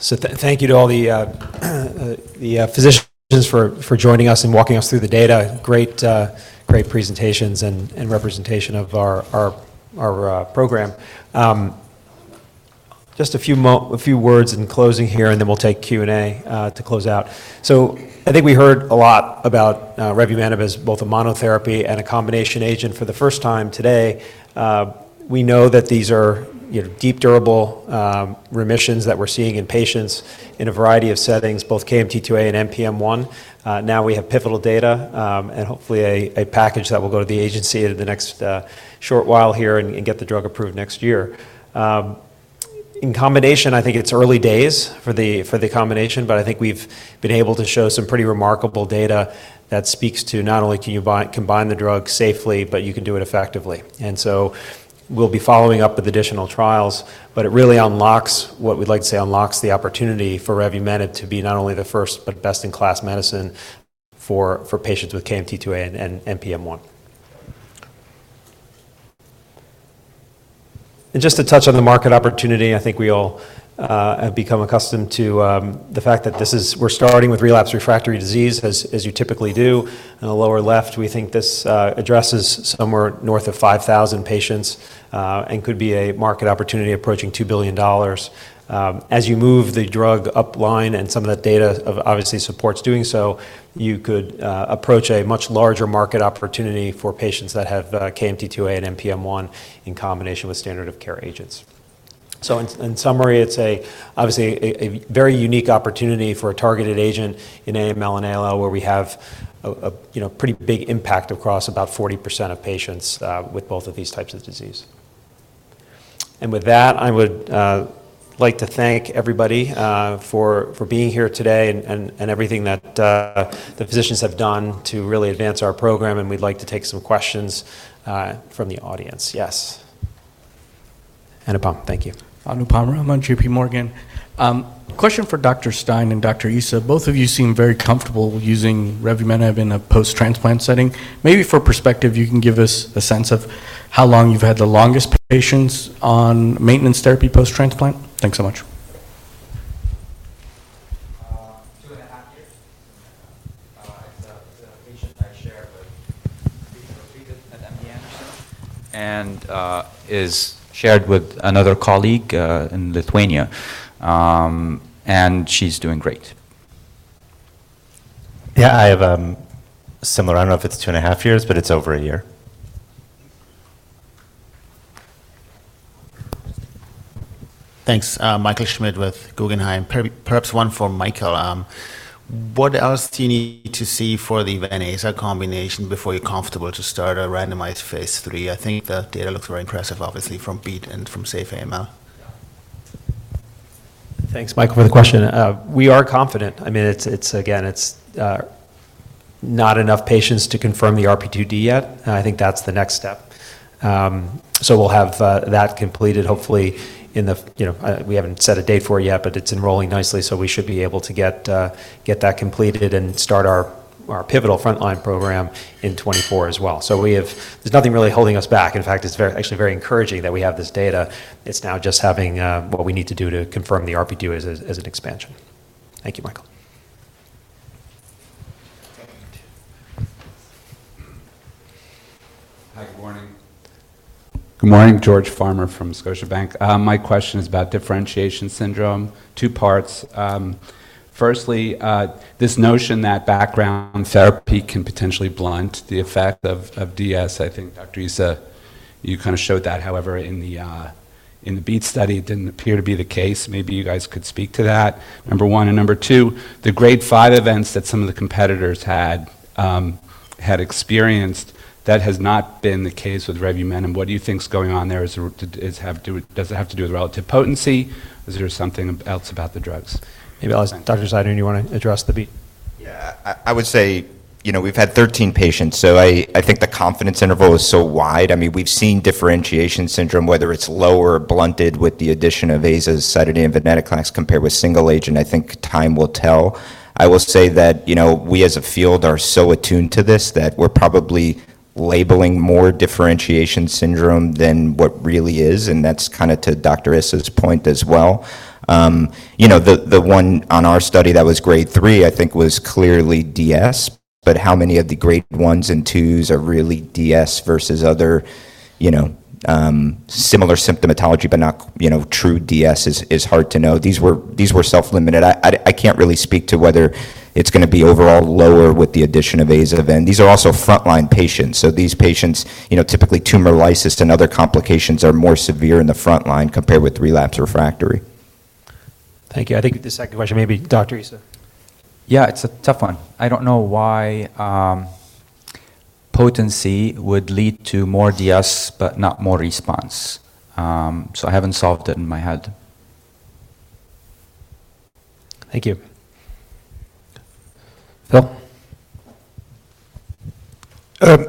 So thank you to all the physicians for joining us and walking us through the data. Great presentations and representation of our program. Just a few words in closing here, and then we'll take Q&A to close out. So I think we heard a lot about revumenib as both a monotherapy and a combination agent for the first time today. We know that these are, you know, deep, durable remissions that we're seeing in patients in a variety of settings, both KMT2A and NPM1. Now we have pivotal data, and hopefully a package that will go to the agency in the next short while here and get the drug approved next year. In combination, I think it's early days for the, for the combination, but I think we've been able to show some pretty remarkable data that speaks to not only can you combine the drug safely, but you can do it effectively. And so we'll be following up with additional trials, but it really unlocks, what we'd like to say, unlocks the opportunity for revumenib to be not only the first but best-in-class medicine for, for patients with KMT2A and, and NPM1. And just to touch on the market opportunity, I think we all have become accustomed to the fact that this is, we're starting with relapse refractory disease, as, as you typically do. In the lower left, we think this addresses somewhere north of 5,000 patients, and could be a market opportunity approaching $2 billion. As you move the drug upline, and some of that data obviously supports doing so, you could approach a much larger market opportunity for patients that have KMT2A and NPM1 in combination with standard of care agents. So in summary, it's obviously a very unique opportunity for a targeted agent in AML and ALL, where we have a you know pretty big impact across about 40% of patients with both of these types of disease. And with that, I would like to thank everybody for being here today and everything that the physicians have done to really advance our program, and we'd like to take some questions from the audience. Yes. Anupam, thank you.
Anupam Rama, J.P. Morgan. Question for Dr. Stein and Dr. Issa. Both of you seem very comfortable using revumenib in a post-transplant setting. Maybe for perspective, you can give us a sense of how long you've had the longest patients on maintenance therapy post-transplant. Thanks so much.
2.5 years. It's a patient I share with... We treated at MD Anderson, and is shared with another colleague in Lithuania. And she's doing great.
Yeah, I have similar. I don't know if it's 2.5 years, but it's over a year.
Thanks. Michael Schmidt with Guggenheim. Perhaps one for Michael. What else do you need to see for the venetoclax combination before you're comfortable to start a randomized phase three? I think the data looks very impressive, obviously, from Beat and for SAFE AML.
Thanks, Michael, for the question. We are confident. I mean, Again, it's not enough patients to confirm the RP2D yet, and I think that's the next step. So we'll have that completed hopefully in the, you know. We haven't set a date for it yet, but it's enrolling nicely, so we should be able to get that completed and start our pivotal frontline program in 2024 as well. So we have there's nothing really holding us back. In fact, it's very, actually very encouraging that we have this data. It's now just having what we need to do to confirm the RP2D as an expansion. Thank you, Michael.
Hi, good morning. Good morning, George Farmer from Scotiabank. My question is about differentiation syndrome, two parts. Firstly, this notion that background therapy can potentially blunt the effect of, of DS, I think, Dr. Issa, you kind of showed that. However, in the, in the Beat study, it didn't appear to be the case. Maybe you guys could speak to that, number one. And number two, the grade five events that some of the competitors had, had experienced, that has not been the case with revumenib. What do you think is going on there? Is, does it have to do, does it have to do with relative potency, or is there something else about the drugs?
Maybe I'll ask Dr. Zeidner, do you want to address the BEAT?
Yeah. I would say, you know, we've had 13 patients, so I think the confidence interval is so wide. I mean, we've seen differentiation syndrome, whether it's lower or blunted with the addition of azacitidine and venetoclax compared with single agent, I think time will tell. I will say that, you know, we as a field are so attuned to this, that we're probably labeling more differentiation syndrome than what really is, and that's kind of to Dr. Issa's point as well. You know, the one on our study that was Grade 3, I think was clearly DS, but how many of the Grade 1s and 2s are really DS versus other, you know, similar symptomatology but not, you know, true DS is hard to know. These were self-limited. I can't really speak to whether it's gonna be overall lower with the addition of azacitidine. These are also frontline patients, so these patients, you know, typically tumor lysis and other complications are more severe in the frontline compared with relapse refractory.
Thank you. I think the second question, maybe Dr. Issa.
Yeah, it's a tough one. I don't know why potency would lead to more DS but not more response. So I haven't solved it in my head.
Thank you. Phil?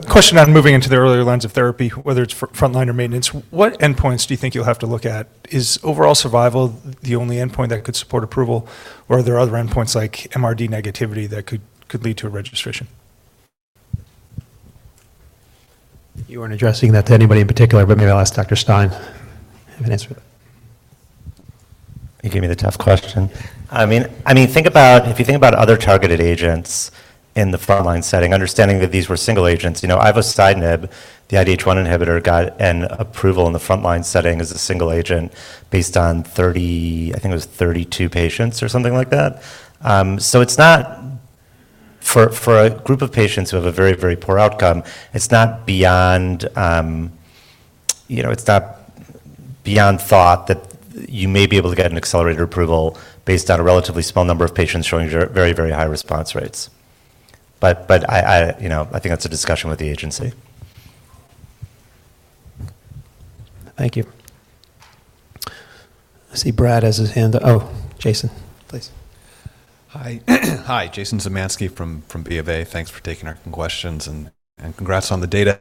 Question on moving into the earlier lines of therapy, whether it's for frontline or maintenance, what endpoints do you think you'll have to look at? Is overall survival the only endpoint that could support approval, or are there other endpoints like MRD negativity that could lead to a registration?
You weren't addressing that to anybody in particular, but maybe I'll ask Dr. Stein if he has an answer.
You gave me the tough question. I mean, think about, if you think about other targeted agents in the frontline setting, understanding that these were single agents, you know, ivosidenib, the IDH1 inhibitor, got an approval in the frontline setting as a single agent based on 30... I think it was 32 patients or something like that. So it's not, for, for a group of patients who have a very, very poor outcome, it's not beyond, you know, it's not beyond thought that you may be able to get an accelerated approval based on a relatively small number of patients showing very, very high response rates. But, but I, I, you know, I think that's a discussion with the agency.
Thank you. I see Brad has his hand... Oh, Jason, please.
Hi. Hi, Jason Zemansky from B of A. Thanks for taking our questions, and congrats on the data.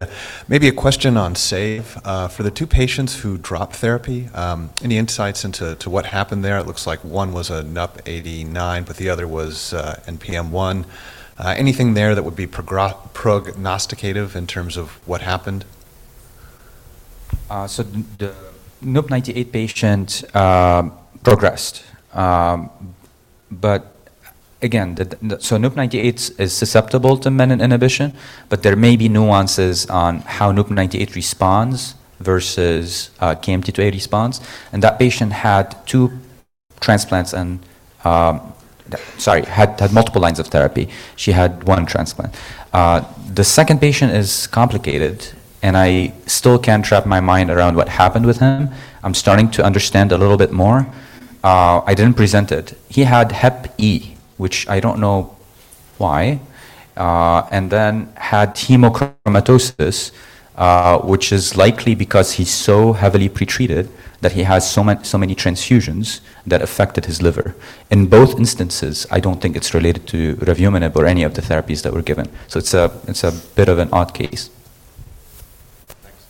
Maybe a question on AGAVE. For the two patients who dropped therapy, any insights into what happened there? It looks like one was a NUP98, but the other was NPM1. Anything there that would be prognosticative in terms of what happened?
So the NUP98 patient progressed. But again, so NUP98 is susceptible to menin inhibition, but there may be nuances on how NUP98 responds versus KMT2A responds. And that patient had two transplants and, sorry, had multiple lines of therapy. She had one transplant. The second patient is complicated, and I still can't wrap my mind around what happened with him. I'm starting to understand a little bit more. I didn't present it. He had Hep E, which I don't know why, and then had hemochromatosis, which is likely because he's so heavily pretreated that he has so much, so many transfusions that affected his liver. In both instances, I don't think it's related to revumenib or any of the therapies that were given. So it's a bit of an odd case.
Thanks.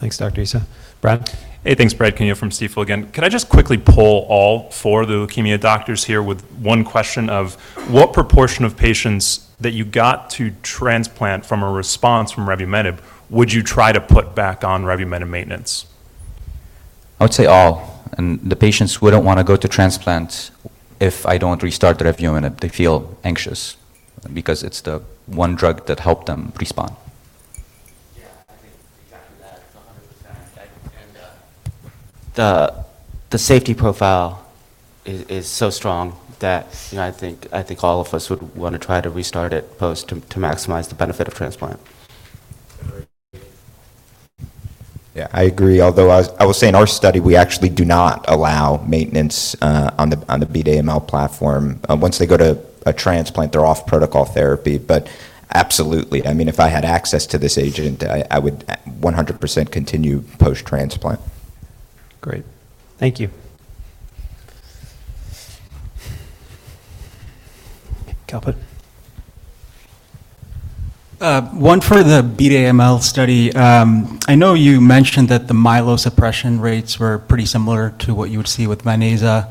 Thanks, Dr. Issa. Brad?
Hey, thanks. Brad Canino from Stifel again. Can I just quickly poll all four of the leukemia doctors here with one question of: what proportion of patients that you got to transplant from a response from revumenib would you try to put back on revumenib maintenance?
I would say all, and the patients wouldn't want to go to transplant if I don't restart the revumenib. They feel anxious because it's the one drug that helped them respond.
Yeah, I think exactly that, 100%. The safety profile is so strong that, you know, I think all of us would want to try to restart it post to maximize the benefit of transplant.
Yeah, I agree. Although I will say in our study, we actually do not allow maintenance on the Beat AML platform. Once they go to a transplant, they're off protocol therapy. But absolutely, I mean, if I had access to this agent, I would 100% continue post-transplant.
Great. Thank you. Kalpit?
One for the Beat AML study. I know you mentioned that the myelosuppression rates were pretty similar to what you would see with venetoclax,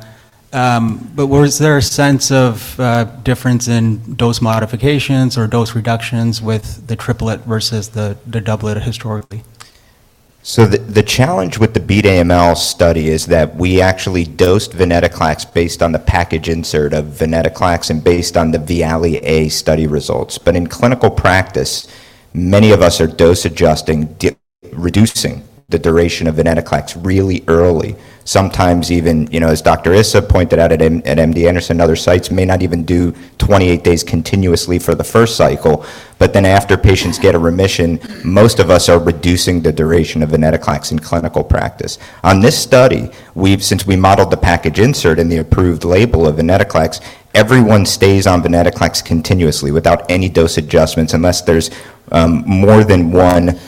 but was there a sense of difference in dose modifications or dose reductions with the triplet versus the doublet historically?
So the challenge with the Beat AML study is that we actually dosed venetoclax based on the package insert of venetoclax and based on the VIALE-A study results. But in clinical practice, many of us are dose-adjusting, reducing the duration of venetoclax really early. Sometimes even, you know, as Dr. Issa pointed out at MD Anderson, other sites may not even do 28 days continuously for the first cycle, but then after patients get a remission, most of us are reducing the duration of venetoclax in clinical practice. On this study, we've since we modeled the package insert and the approved label of venetoclax, everyone stays on venetoclax continuously without any dose adjustments, unless there's more than one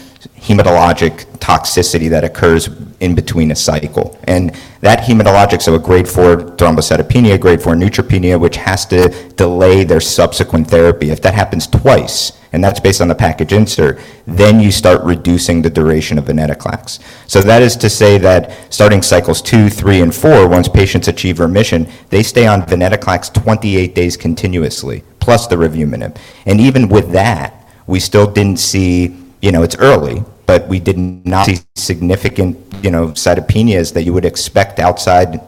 hematologic toxicity that occurs in between a cycle. And that hematologic toxicity of a Grade 4 thrombocytopenia, Grade 4 neutropenia, which has to delay their subsequent therapy. If that happens twice, and that's based on the package insert, then you start reducing the duration of venetoclax. So that is to say that starting cycles two, three, and four, once patients achieve remission, they stay on venetoclax 28 days continuously, plus the revumenib. And even with that, we still didn't see... You know, it's early, but we did not see significant, you know, cytopenias that you would expect outside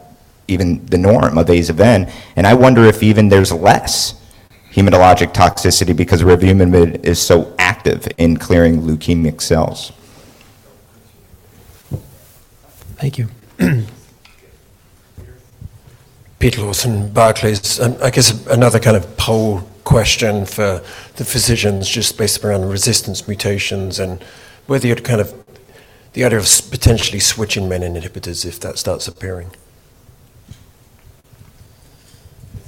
even the norm of AzaVen. And I wonder if even there's less hematologic toxicity because revumenib is so active in clearing leukemic cells.
Thank you. Peter Lawson, Barclays. I guess another kind of poll question for the physicians, just based around resistance mutations and whether you'd kind of the idea of potentially switching menin inhibitors if that starts appearing.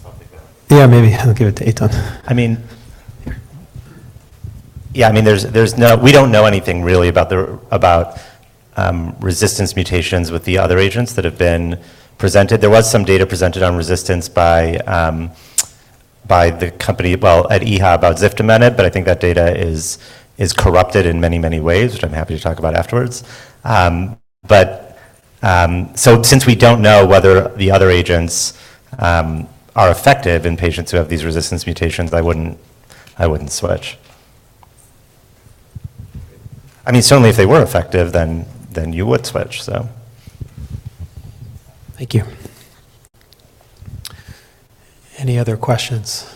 I'll take that.
Yeah, maybe. I'll give it to Eytan.
I mean, yeah, I mean, there's no—we don't know anything really about the resistance mutations with the other agents that have been presented. There was some data presented on resistance by the company, well, at EHA, about ziftomenib, but I think that data is corrupted in many, many ways, which I'm happy to talk about afterwards. But so since we don't know whether the other agents are effective in patients who have these resistance mutations, I wouldn't switch. I mean, certainly, if they were effective, then you would switch, so.
Thank you. Any other questions?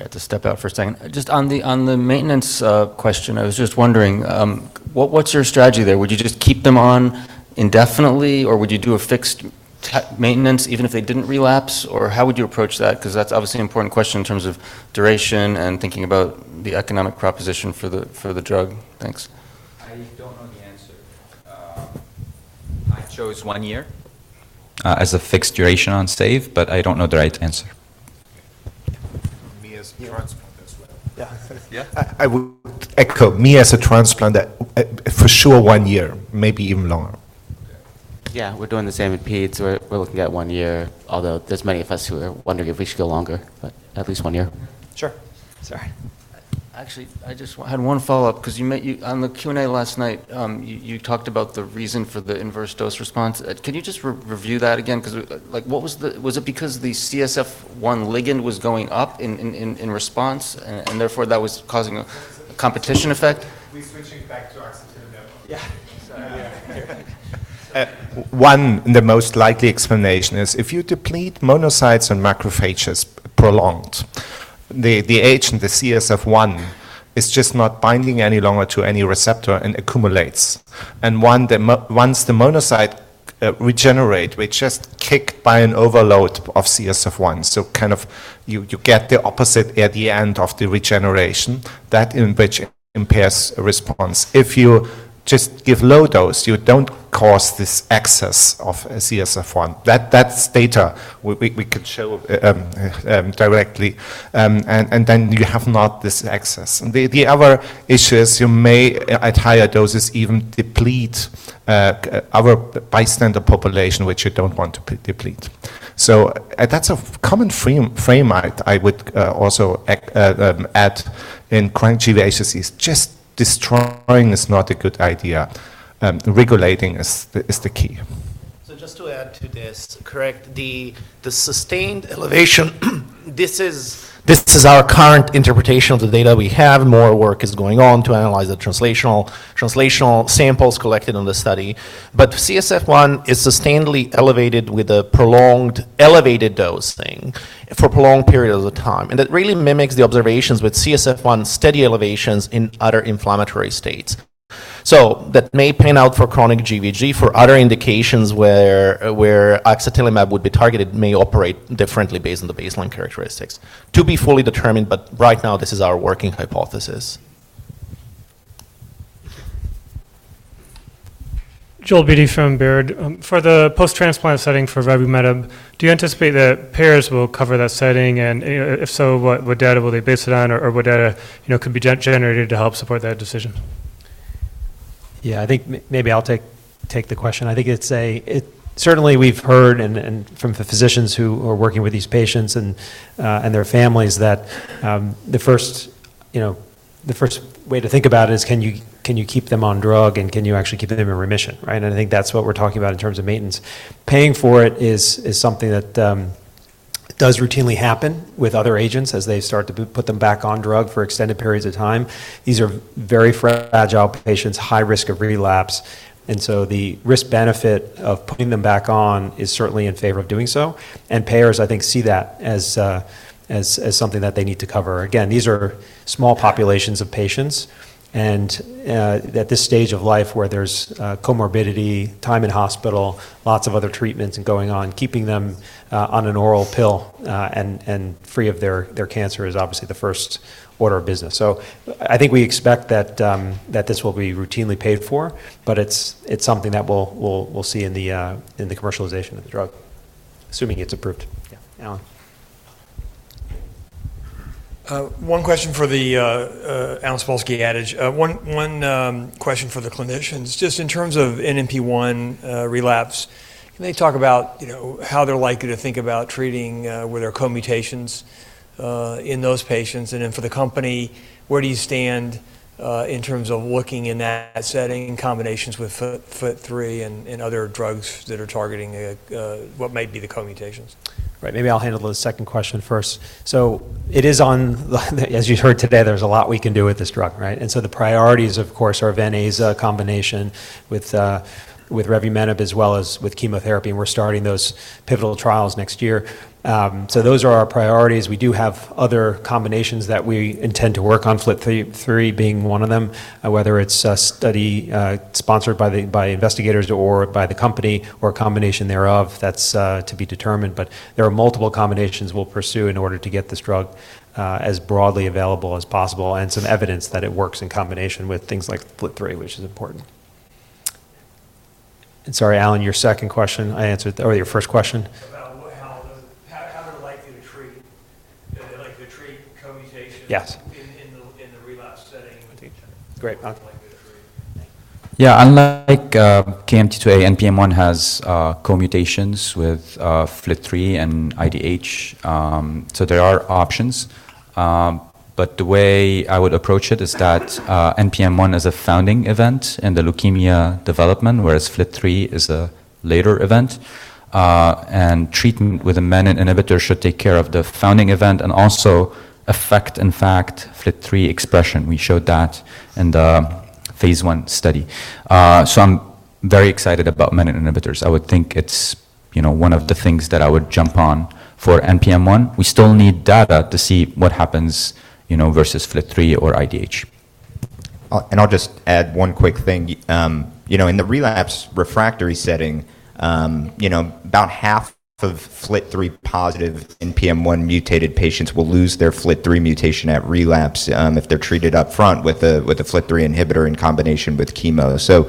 Ah! Okay.
Sorry, I had to step out for a second. Just on the maintenance question, I was just wondering what what's your strategy there? Would you just keep them on indefinitely, or would you do a fixed maintenance, even if they didn't relapse? Or how would you approach that? 'Cause that's obviously an important question in terms of duration and thinking about the economic proposition for the drug. Thanks.
I don't know the answer. I chose one year as a fixed duration on AGAVE, but I don't know the right answer.
Me as a transplant as well.
Yeah.
I would echo, me as a transplant, that, for sure one year, maybe even longer.
Yeah, we're doing the same at Peter. We're, we're looking at one year, although there's many of us who are wondering if we should go longer, but at least one year.
Sure. Sorry.
Actually, I just had one follow-up, 'cause you mentioned you on the Q&A last night, you talked about the reason for the inverse dose response. Can you just re-review that again? 'Cause, like, what was it because the CSF-1 ligand was going up in response, and therefore, that was causing a competition effect?
We're switching back to axatilimab.
Yeah.
One, the most likely explanation is if you deplete monocytes and macrophages prolonged, ligand, the CSF-1 is just not binding any longer to any receptor and accumulates. And one, once the monocyte regenerate, we just kick by an overload of CSF-1. So kind of you get the opposite at the end of the regeneration, that in which impairs a response. If you just give low dose, you don't cause this excess of CSF-1. That, that's data we could show directly, and then you have not this excess. The other issue is you may, at higher doses, even deplete other bystander population, which you don't want to deplete. That's a common refrain I would also add in chronic GVHD. Just destroying is not a good idea. Regulating is the key.
So just to add to this, correct, the sustained elevation. This is our current interpretation of the data we have. More work is going on to analyze the translational samples collected on the study. But CSF-1 is sustainably elevated with a prolonged, elevated dosing for prolonged periods of time. And it really mimics the observations with CSF-1 steady elevations in other inflammatory states. So that may pan out for chronic GVHD. For other indications where axatilimab would be targeted may operate differently based on the baseline characteristics. To be fully determined, but right now, this is our working hypothesis.
Joel Beatty from Baird. For the post-transplant setting for revumenib, do you anticipate that payers will cover that setting? And if so, what data will they base it on, or what data, you know, could be generated to help support that decision?
Yeah, I think maybe I'll take the question. I think it's a, it. Certainly, we've heard and from the physicians who are working with these patients and their families, that the first. You know, the first way to think about it is can you, can you keep them on drug, and can you actually keep them in remission, right? And I think that's what we're talking about in terms of maintenance. Paying for it is, is something that does routinely happen with other agents as they start to put, put them back on drug for extended periods of time. These are very fragile patients, high risk of relapse, and so the risk-benefit of putting them back on is certainly in favor of doing so. And payers, I think, see that as, as, as something that they need to cover. Again, these are small populations of patients, and, at this stage of life where there's, comorbidity, time in hospital, lots of other treatments going on, keeping them, on an oral pill, and, and free of their, their cancer is obviously the first order of business. So I think we expect that, that this will be routinely paid for, but it's, it's something that we'll, we'll, we'll see in the, in the commercialization of the drug, assuming it's approved. Yeah. Alan?
One question for the clinicians. Just in terms of NPM1 relapse, can they talk about, you know, how they're likely to think about treating where there are co-mutations in those patients? And then for the company, where do you stand in terms of looking in that setting in combinations with FLT3 and other drugs that are targeting what might be the co-mutations?
Right. Maybe I'll handle the second question first. So it is on... As you heard today, there's a lot we can do with this drug, right? And so the priorities, of course, are venetoclax combination with, with revumenib as well as with chemotherapy, and we're starting those pivotal trials next year. So those are our priorities. We do have other combinations that we intend to work on, FLT3 being one of them. Whether it's a study sponsored by the, by investigators or by the company or a combination thereof, that's to be determined. But there are multiple combinations we'll pursue in order to get this drug as broadly available as possible, and some evidence that it works in combination with things like FLT3, which is important. And sorry, Alan, your second question, I answered, or your first question?
About what, how they're likely to treat, like, to treat co-mutations.
Yes.
in the relapse setting.
Great. Uh.
Yeah, unlike KMT2A, NPM1 has co-mutations with FLT3 and IDH. So there are options, but the way I would approach it is that NPM1 is a founding event in the leukemia development, whereas FLT3 is a later event. And treatment with a menin inhibitor should take care of the founding event and also affect, in fact, FLT3 expression. We showed that in the phase one study. So I'm very excited about menin inhibitors. I would think it's, you know, one of the things that I would jump on for NPM1. We still need data to see what happens, you know, versus FLT3 or IDH.
And I'll just add one quick thing. You know, in the relapse refractory setting, you know, about half of FLT3-positive NPM1-mutated patients will lose their FLT3 mutation at relapse, if they're treated up front with a, with a FLT3 inhibitor in combination with chemo. So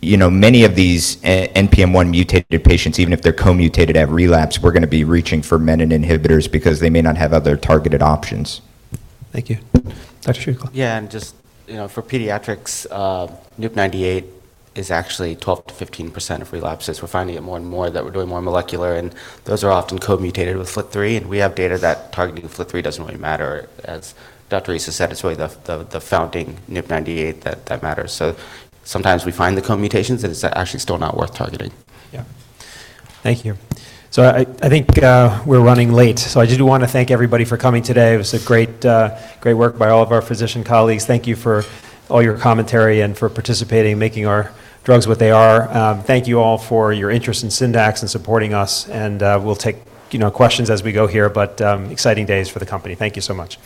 you know, many of these NPM1-mutated patients, even if they're co-mutated at relapse, we're gonna be reaching for menin inhibitors because they may not have other targeted options.
Thank you. Dr. Cuglieven?
Yeah, and just, you know, for pediatrics, NUP98 is actually 12%-15% of relapses. We're finding it more and more that we're doing more molecular, and those are often co-mutated with FLT3, and we have data that targeting FLT3 doesn't really matter. As Dr. Issa has said, it's really the founding NUP98 that matters. So sometimes we find the co-mutations, and it's actually still not worth targeting.
Yeah. Thank you. So I think we're running late. So I just wanna thank everybody for coming today. It was a great, great work by all of our physician colleagues. Thank you for all your commentary and for participating and making our drugs what they are. Thank you all for your interest in Syndax and supporting us, and we'll take, you know, questions as we go here, but exciting days for the company. Thank you so much.